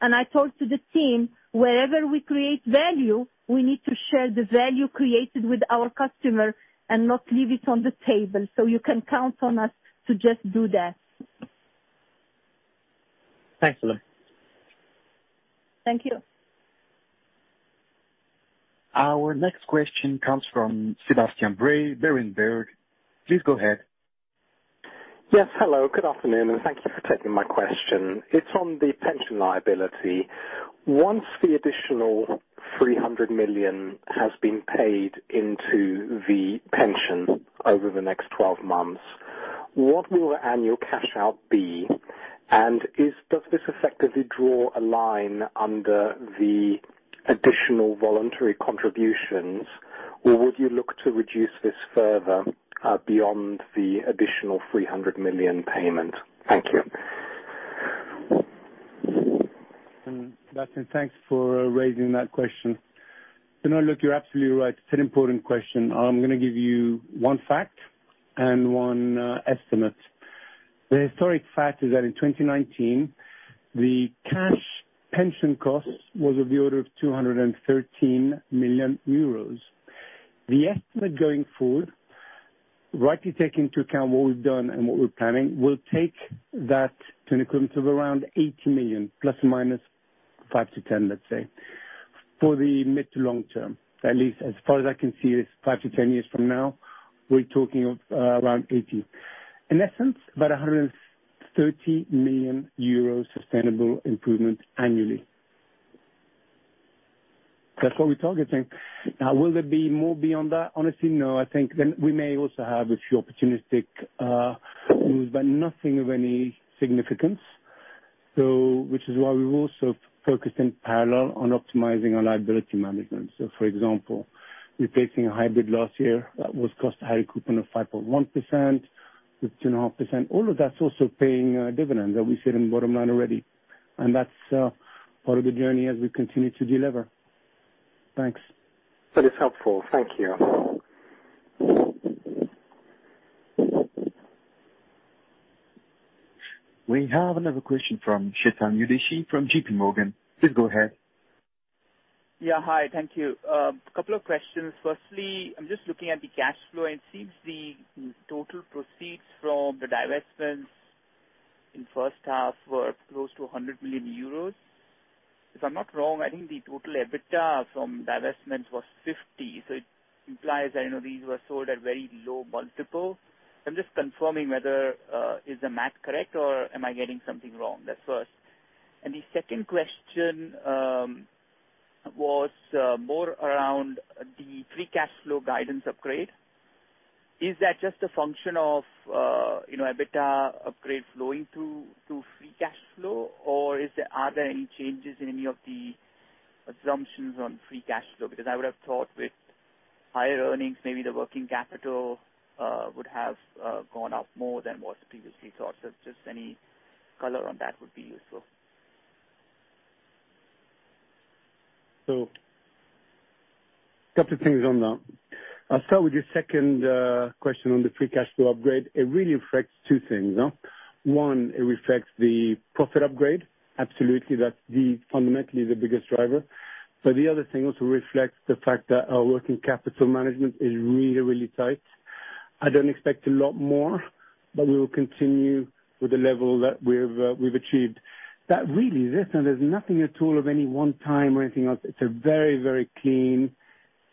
I told to the team, wherever we create value, we need to share the value created with our customer and not leave it on the table. You can count on us to just do that. Thanks, Ilham. Thank you. Our next question comes from Sebastian Bray, Berenberg. Please go ahead. Yes. Hello, good afternoon. Thank you for taking my question. It's on the pension liability. Once the additional 300 million has been paid into the pension over the next 12 months, what will the annual cash out be? Does this effectively draw a line under the additional voluntary contributions, or would you look to reduce this further, beyond the additional 300 million payment? Thank you. Thanks for raising that question. No, look, you're absolutely right. It's an important question. I'm going to give you one fact and one estimate. The historic fact is that in 2019, the cash pension cost was of the order of 213 million euros. The estimate going forward, rightly take into account what we've done and what we're planning, will take that to an equivalent of around 80 million, ± 5-10, let's say, for the mid to long term. At least as far as I can see this 5-10 years from now, we're talking of around 80 million. In essence, about 130 million euros sustainable improvement annually. That's what we're targeting. Will there be more beyond that? Honestly, no. I think then we may also have a few opportunistic moves, but nothing of any significance. Which is why we're also focused in parallel on optimizing our liability management, for example, replacing a hybrid last year that would cost a high coupon of 5.1%, 15.5%. All of that's also paying dividends that we see in the bottom line already, and that's part of the journey as we continue to deliver. Thanks. That is helpful. Thank you. We have another question from Chetan Udeshi from JPMorgan. Please go ahead. Yeah. Hi. Thank you. A couple of questions. Firstly, I'm just looking at the cash flow, and it seems the total proceeds from the divestments in first half were close to 100 million euros. If I'm not wrong, I think the total EBITDA from divestments was 50 million, so it implies that these were sold at very low multiple. I'm just confirming whether, is the math correct or am I getting something wrong? That's first. The second question was more around the free cash flow guidance upgrade. Is that just a function of EBITDA upgrade flowing through to free cash flow, or are there any changes in any of the assumptions on free cash flow? I would have thought with higher earnings, maybe the working capital would have gone up more than was previously thought. Just any color on that would be useful. A couple things on that. I'll start with your second question on the free cash flow upgrade. It really affects two things. One, it reflects the profit upgrade. Absolutely. That's fundamentally the biggest driver. The other thing also reflects the fact that our working capital management is really tight. I don't expect a lot more, but we will continue with the level that we've achieved. There's nothing at all of any one time or anything else. It's a very clean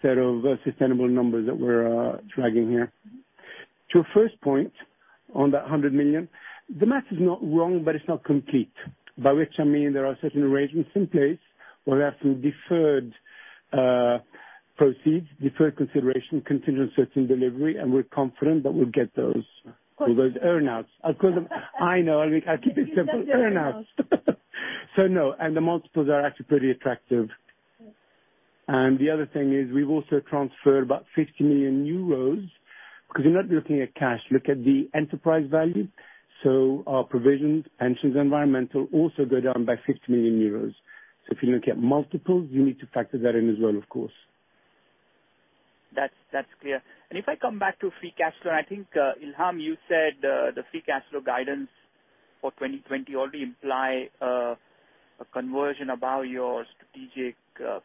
set of sustainable numbers that we're dragging here. To your first point on that 100 million, the math is not wrong, but it's not complete. By which I mean, there are certain arrangements in place where we have some deferred proceeds, deferred consideration contingent on certain delivery, and we're confident that we'll get those earn-outs. I know. I'll keep it simple. Earn-outs. No, the multiples are actually pretty attractive. The other thing is we've also transferred about 50 million euros because you're not looking at cash, look at the enterprise value. Our provisions, pensions, environmental also go down by 50 million euros. If you look at multiples, you need to factor that in as well, of course. That's clear. If I come back to free cash flow, I think, Ilham, you said the free cash flow guidance for 2020 already imply a conversion about your strategic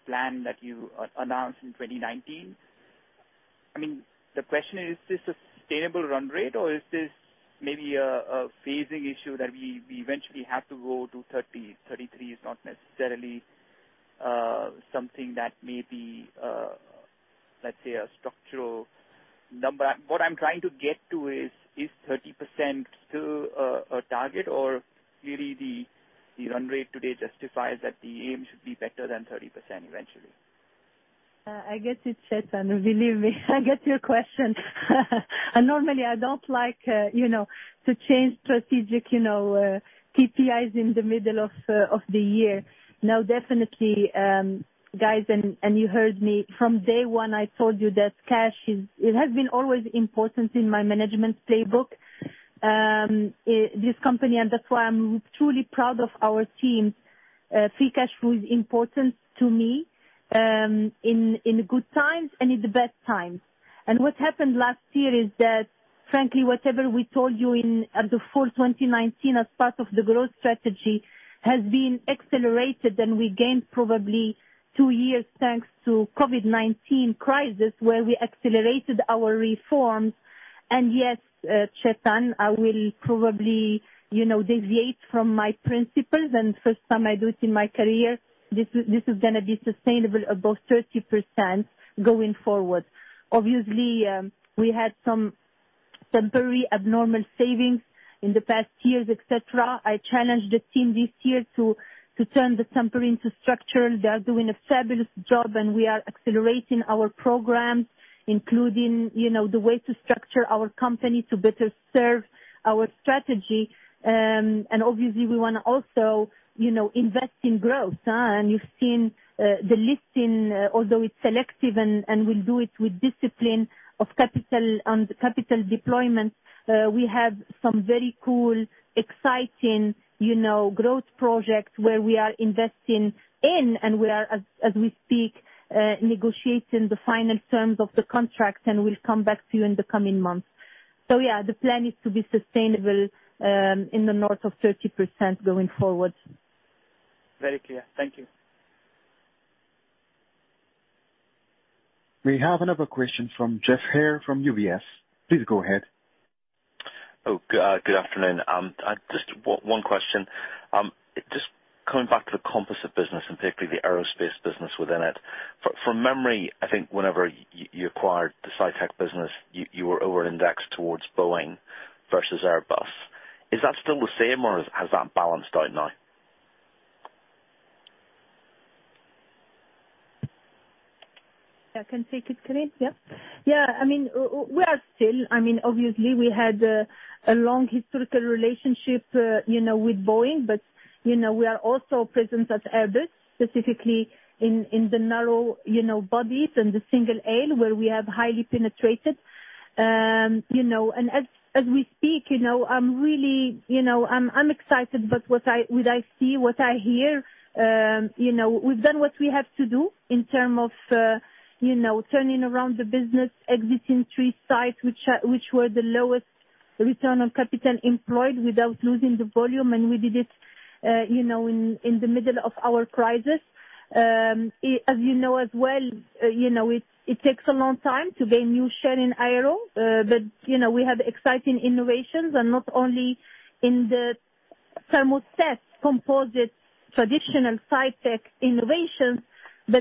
plan that you announced in 2019. I mean, the question, is this a sustainable run rate or is this maybe a phasing issue that we eventually have to go to 30? 33 is not necessarily something that may be, let's say, a structural number. What I'm trying to get to is 30% still a target or clearly the run rate today justifies that the aim should be better than 30% eventually? I get it, Chetan, believe me. I get your question. Normally I don't like to change strategic KPIs in the middle of the year. Now, definitely, guys, you heard me from day one, I told you that cash has always been important in my management playbook, this company, and that's why I'm truly proud of our team. Free cash flow is important to me, in the good times and in the bad times. What happened last year is that frankly, whatever we told you in the fall 2019 as part of the growth strategy has been accelerated, and we gained probably two years thanks to COVID-19 crisis, where we accelerated our reforms. Yes, Chetan, I will probably deviate from my principles and first time I do it in my career, this is going to be sustainable above 30% going forward. Obviously, we had some temporary abnormal savings in the past years, et cetera. I challenged the team this year to turn the temporary into structural. They are doing a fabulous job, and we are accelerating our programs, including the way to structure our company to better serve our strategy. Obviously we want to also invest in growth. You've seen the listing, although it's selective and we'll do it with discipline on capital deployment. We have some very cool, exciting growth projects where we are investing in, and we are, as we speak, negotiating the final terms of the contracts, and we'll come back to you in the coming months. Yeah, the plan is to be sustainable, in the north of 30% going forward. Very clear. Thank you. We have another question from Geoff Haire from UBS. Please go ahead. Oh, good afternoon. Just one question. Just coming back to the composite business and particularly the aerospace business within it. From memory, I think whenever you acquired the Cytec business, you were over-indexed towards Boeing versus Airbus. Is that still the same or has that balanced out now? I can take it, Karim, yeah. Yeah, obviously we had a long historical relationship with Boeing, but we are also present at Airbus, specifically in the narrow bodies and the single aisle where we have highly penetrated. As we speak, I'm excited, but with what I see, what I hear, we've done what we have to do in terms of turning around the business, exiting three sites, which were the lowest return on capital employed without losing the volume, and we did it in the middle of our crisis. As you know as well, it takes a long time to gain new share in Aero. We have exciting innovations and not only in the thermoset composite traditional Cytec innovations,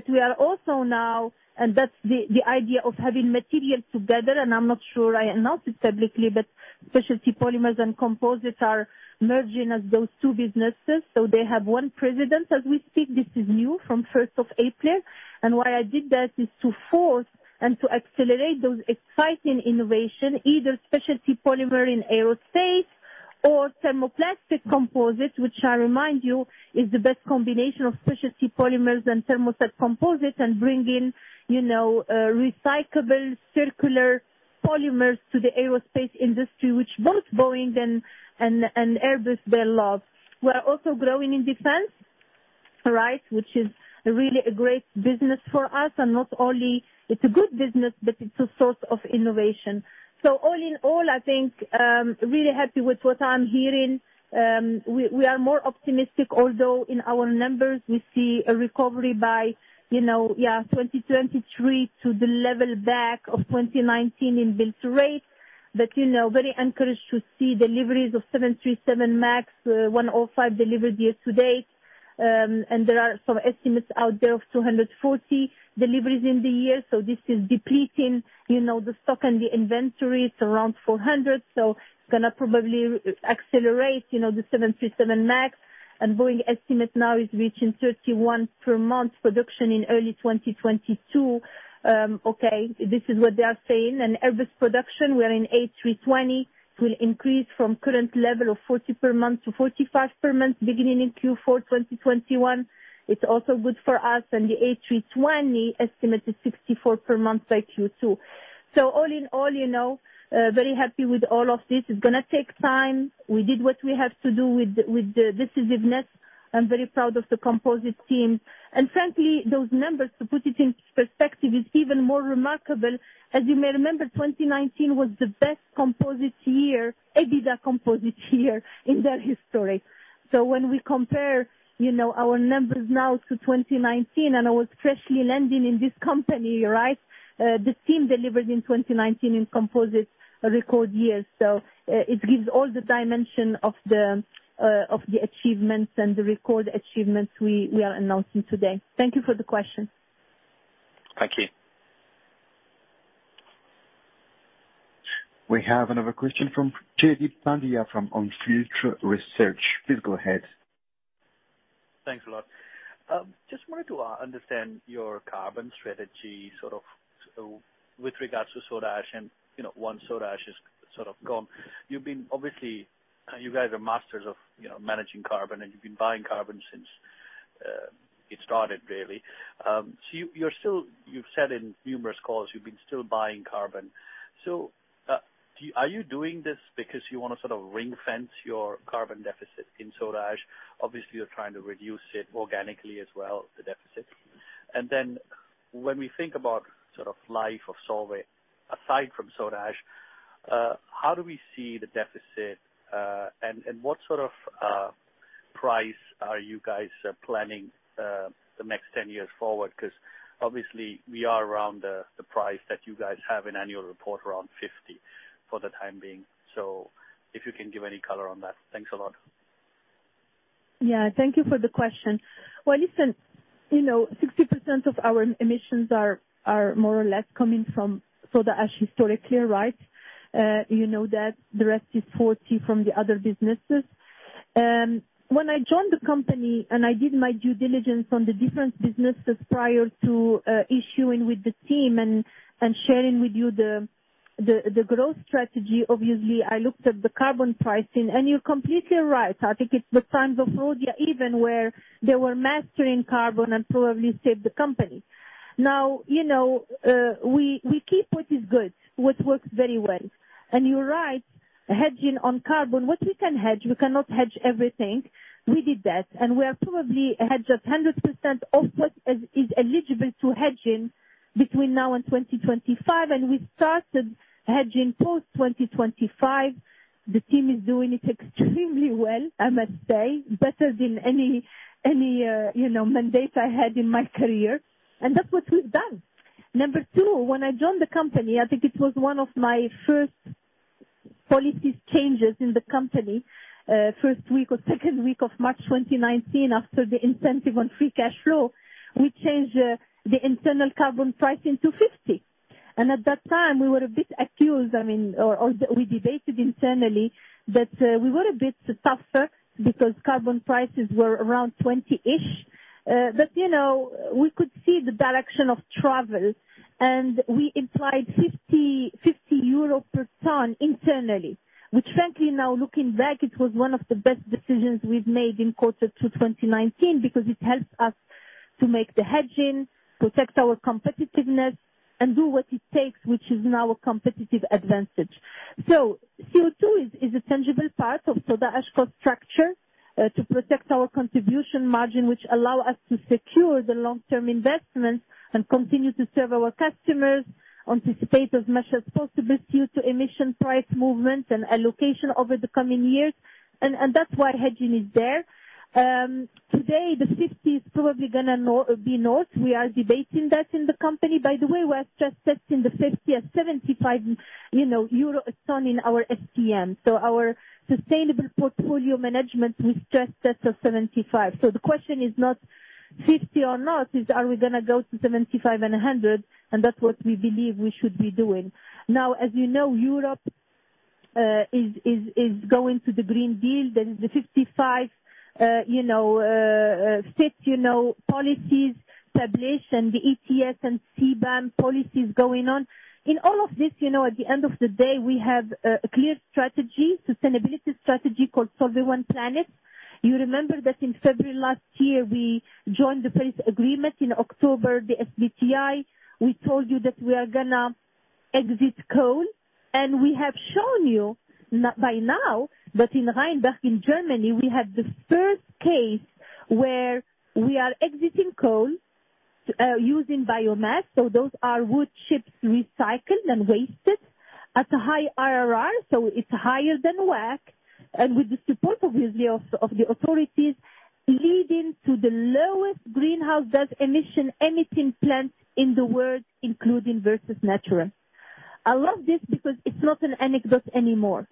we are also now, and that's the idea of having materials together, and I am not sure I announced it publicly, but Specialty Polymers and composites are merging as those two businesses. They have one president as we speak. This is new from 1st of April. Why I did that is to force and to accelerate those exciting innovation, either specialty polymer in aerospace or thermoplastic composite, which I remind you, is the best combination of specialty polymers and thermoset composite and bring in recyclable, circular polymers to the aerospace industry, which both Boeing and Airbus, they love. We are also growing in defense, which is really a great business for us, and not only it's a good business, but it's a source of innovation. All in all, I think, really happy with what I'm hearing. We are more optimistic, although in our numbers we see a recovery by 2023 to the level back of 2019 in build rate. Very encouraged to see deliveries of 737 MAX, 105 delivered year to date, and there are some estimates out there of 240 deliveries in the year. This is depleting the stock and the inventory. It's around 400, so it's going to probably accelerate, the 737 MAX and Boeing estimate now is reaching 31 per month production in early 2022. This is what they are saying. Airbus production, we are in A320, will increase from current level of 40 per month to 45 per month, beginning in Q4 2021. It's also good for us. The A320 estimate is 64 per month by Q2. All in all, very happy with all of this. It's going to take time. We did what we have to do with decisiveness. I'm very proud of the composite team. Frankly, those numbers, to put it in perspective, is even more remarkable. You may remember, 2019 was the best composites year, EBITDA composites year, in their history. When we compare our numbers now to 2019, and I was freshly landing in this company, the team delivered in 2019 in composites a record year. It gives all the dimension of the achievements and the record achievements we are announcing today. Thank you for the question. Thank you. We have another question from Jaideep Pandya from On Field Investment Research. Please go ahead. Thanks a lot. Just wanted to understand your carbon strategy, sort of with regards to Soda Ash and once Soda Ash is sort of gone. You've been obviously, you guys are masters of managing carbon, and you've been buying carbon since it started, really. You've said in numerous calls you've been still buying carbon. Are you doing this because you want to sort of ring-fence your carbon deficit in Soda Ash? Obviously, you're trying to reduce it organically as well, the deficit. When we think about life of Solvay, aside from Soda Ash, how do we see the deficit? What sort of price are you guys planning the next 10 years forward? Obviously we are around the price that you guys have in annual report, around 50 for the time being. If you can give any color on that. Thanks a lot. Yeah, thank you for the question. Well, listen, 60% of our emissions are more or less coming from Soda Ash historically, right? You know that. The rest is 40 from the other businesses. When I joined the company and I did my due diligence on the different businesses prior to issuing with the team and sharing with you the growth strategy, obviously, I looked at the carbon pricing, and you're completely right. I think it's the times of Rhodia even, where they were mastering carbon and probably saved the company. We keep what is good, what works very well. You're right, hedging on carbon, what we can hedge, we cannot hedge everything. We did that, and we have probably hedged 100% of what is eligible to hedging between now and 2025. We started hedging post-2025. The team is doing it extremely well, I must say, better than any mandate I had in my career, and that's what we've done. Number two, when I joined the company, I think it was one of my first policy changes in the company. First week or second week of March 2019, after the incentive on free cash flow, we changed the internal carbon pricing to 50. At that time, we were a bit accused or we debated internally, that we were a bit tougher because carbon prices were around 20-ish. We could see the direction of travel, and we implied 50 euro per ton internally, which frankly, now looking back, it was 1 of the best decisions we've made in Q2 2019 because it helped us to make the hedging, protect our competitiveness, and do what it takes, which is now a competitive advantage. CO2 is a tangible part of Soda Ash cost structure to protect our contribution margin, which allow us to secure the long-term investments and continue to serve our customers, anticipate as much as possible CO2 emission price movements and allocation over the coming years. That's why hedging is there. Today, the 50 is probably going to be north. We are debating that in the company. By the way, we are stress testing the 50 at 75 euro a ton in our SPM. Our Sustainable Portfolio Management, we stress test at 75. The question is not 50 or not, it's, are we going to go to 75 and 100? That's what we believe we should be doing. Now, as you know, Europe is going to the European Green Deal. There's the 55 Fit policies published and the ETS and CBAM policies going on. In all of this, at the end of the day, we have a clear strategy, sustainability strategy called Solvay One Planet. You remember that in February last year, we joined the Paris Agreement in October, the SBTi. We told you that we are going to exit coal, and we have shown you by now that in Rheinberg in Germany, we have the first case where we are exiting coal using biomass. Those are wood chips recycled and wasted at a high IRR, so it's higher than WACC, and with the support, obviously, of the authorities, leading to the lowest greenhouse gas emission anything plant in the world, including versus nature. I love this because it's not an anecdote anymore.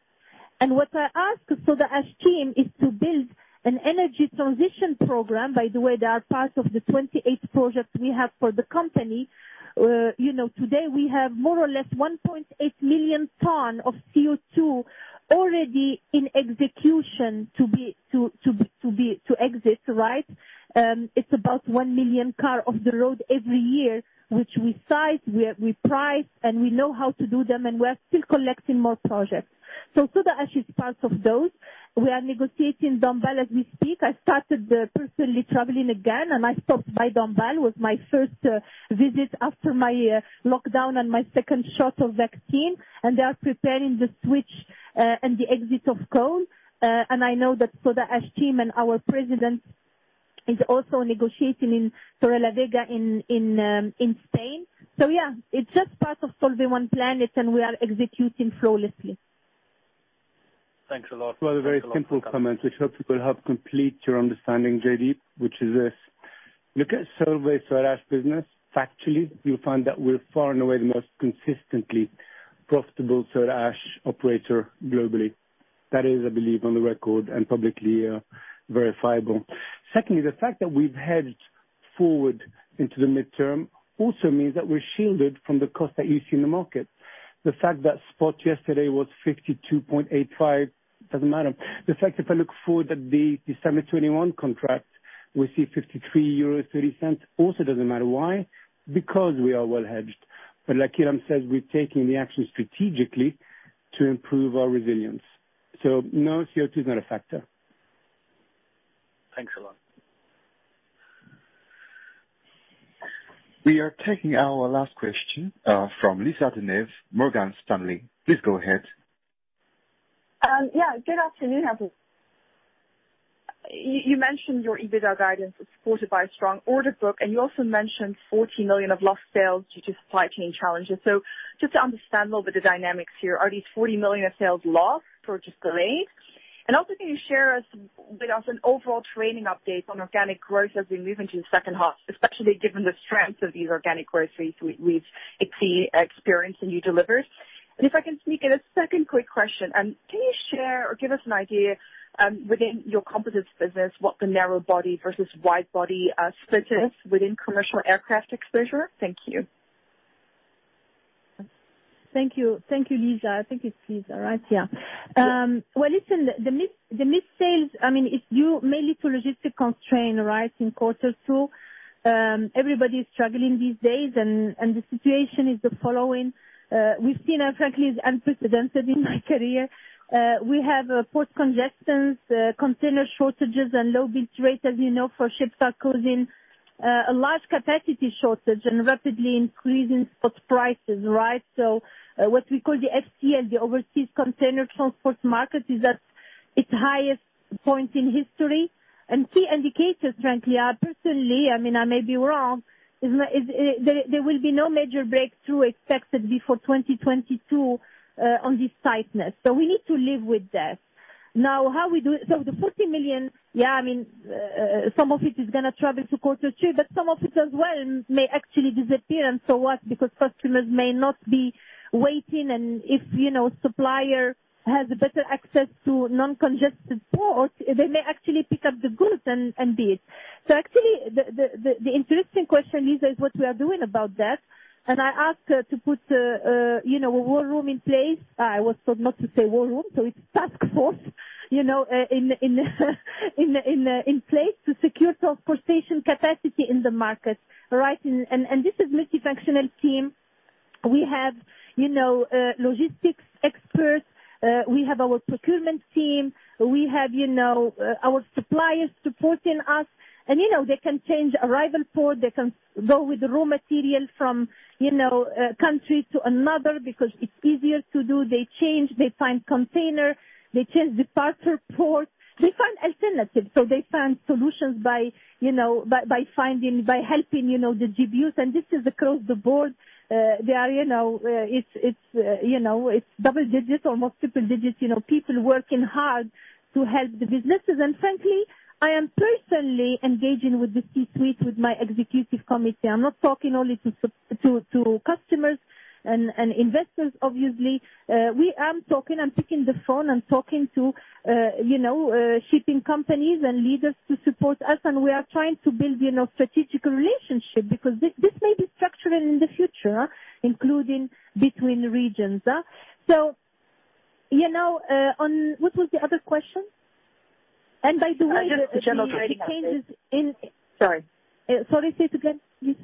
What I ask Soda Ash team is to build an energy transition program. By the way, they are part of the 28 projects we have for the company. Today we have more or less 1.8 million ton of CO2 already in execution to exit. It's about 1 million car off the road every year, which we size, we price, and we know how to do them, and we're still collecting more projects. Soda Ash is part of those. We are negotiating Dombasle as we speak. I started personally traveling again and I stopped by Dombasle, was my first visit after my lockdown and my second shot of vaccine, and they are preparing the switch and the exit of coal. I know that Soda Ash team and our president is also negotiating in Torrelavega in Spain. Yeah, it's just part of Solvay One Planet and we are executing flawlessly. Thanks a lot. Well, a very simple comment, which hopefully will help complete your understanding, Jaideep, which is this. Look at Solvay Soda Ash business. Factually, you'll find that we're far and away the most consistently profitable Soda Ash operator globally. That is, I believe, on the record and publicly verifiable. The fact that we've hedged forward into the midterm also means that we're shielded from the cost that you see in the market. The fact that spot yesterday was 52.85, doesn't matter. The fact, if I look forward at the December 2021 contract, we see 53.30 euros, also doesn't matter. Why? We are well-hedged. Like Ilham says, we're taking the action strategically to improve our resilience. No, CO2 is not a factor. Thanks a lot. We are taking our last question, from Lisa De Neve, Morgan Stanley. Please go ahead. Yeah, good afternoon, everyone. You mentioned your EBITDA guidance is supported by a strong order book, and you also mentioned 40 million of lost sales due to supply chain challenges. Just to understand a little bit the dynamics here, are these 40 million of sales lost or just delayed? Also, can you share with us an overall trading update on organic growth as we move into the second half, especially given the strength of these organic growth rates we've experienced and you delivered? If I can sneak in a second quick question, can you share or give us an idea, within your composites business, what the narrow-body versus wide-body split is within commercial aircraft exposure? Thank you. Thank you. Thank you, Lisa. I think it's Lisa, right? Yeah. Yes. Well, listen, the missed sales, it's due mainly to logistic constraint in quarter two. Everybody's struggling these days and the situation is the following. We've seen, frankly, it's unprecedented in my career. We have port congestions, container shortages, and low build rates, as you know, for ships are causing a large capacity shortage and rapidly increasing spot prices. What we call the FCL, the overseas container transport market, is at its highest point in history. Key indicators, frankly, are personally, I may be wrong, there will be no major breakthrough expected before 2022 on this tightness. We need to live with that. Now, how we do. The 40 million, some of it is going to travel to quarter two, but some of it as well may actually disappear. What? Customers may not be waiting, and if supplier has a better access to non-congested port, they may actually pick up the goods and bid. Actually, the interesting question, Lisa, is what we are doing about that, and I asked to put a war room in place. I was told not to say war room, it's task force in place to secure transportation capacity in the market. This is multifunctional team. We have logistics experts, we have our procurement team, we have our suppliers supporting us, they can change arrival port, they can go with raw material from country to another because it's easier to do. They change, they find container, they change departure port. They find alternatives, they find solutions by helping the GBUs, this is across the board. It's double digits or multiple digits, people working hard to help the businesses. Frankly, I am personally engaging with the C-suite, with my Executive Committee. I'm not talking only to customers and investors, obviously. I'm picking the phone and talking to shipping companies and leaders to support us, we are trying to build strategic relationship because this may be structural in the future, including between regions. What was the other question? Just the general trading update. Sorry. Sorry, say it again, please.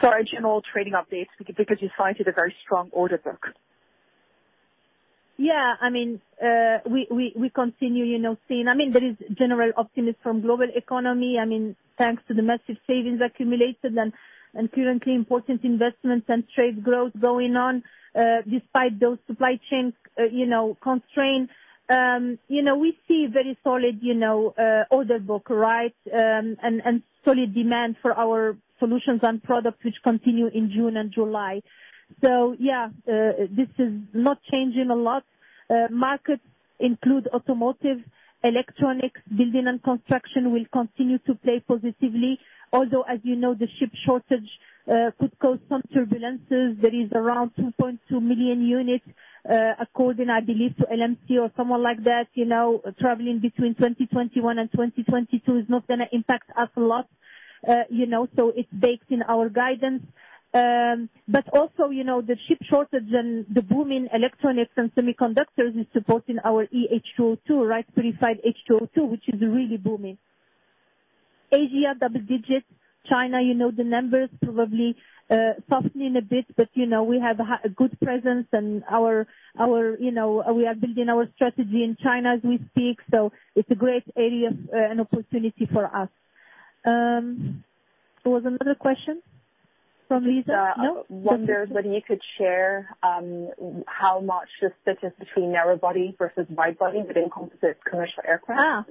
Sorry. General trading updates, because you cited a very strong order book. Yeah. There is general optimism from global economy, thanks to the massive savings accumulated and currently important investments and trade growth going on, despite those supply chains constraints. We see very solid order book and solid demand for our solutions and products, which continue in June and July. Yeah, this is not changing a lot. Markets include automotive, electronics, building and construction will continue to play positively, although as you know, the chip shortage could cause some turbulences. There is around 2.2 million units, according, I believe, to LMC or someone like that, traveling between 2021 and 2022. It's not going to impact us a lot. It's baked in our guidance. Also, the chip shortage and the boom in electronics and semiconductors is supporting our eH2O2. Purified H2O2, which is really booming. Asia, double digits. China, you know the numbers. Probably softening a bit, we have a good presence and we are building our strategy in China as we speak. It's a great area and opportunity for us. There was another question from Lisa? No? I wondered whether you could share how much the split is between narrow body versus wide body within composites commercial aircraft.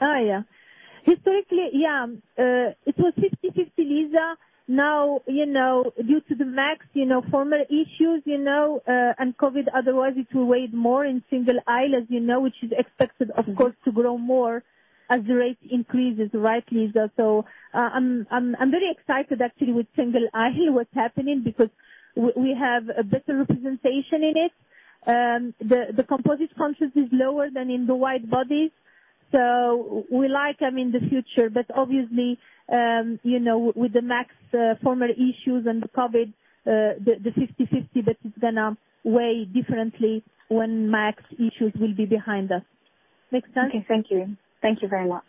Oh, yeah. Historically, it was 50/50, Lisa. Now, due to the MAX former issues, and COVID, otherwise it will weigh more in single aisle, as you know, which is expected, of course, to grow more as the rate increases. Right, Lisa? I'm very excited actually with single aisle, what's happening, because we have a better representation in it. The composite content is lower than in the wide bodies. We like them in the future. Obviously, with the MAX former issues and the COVID, the 50/50, but it's going to weigh differently when MAX issues will be behind us. Make sense? Okay, thank you. Thank you very much.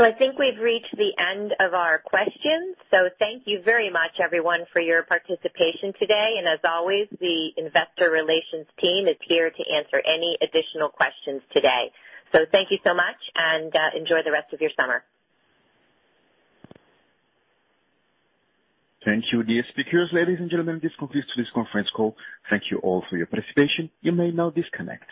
I think we've reached the end of our questions. Thank you very much, everyone, for your participation today. As always, the investor relations team is here to answer any additional questions today. Thank you so much and enjoy the rest of your summer. Thank you, dear speakers. Ladies and gentlemen, this concludes today's conference call. Thank you all for your participation. You may now disconnect.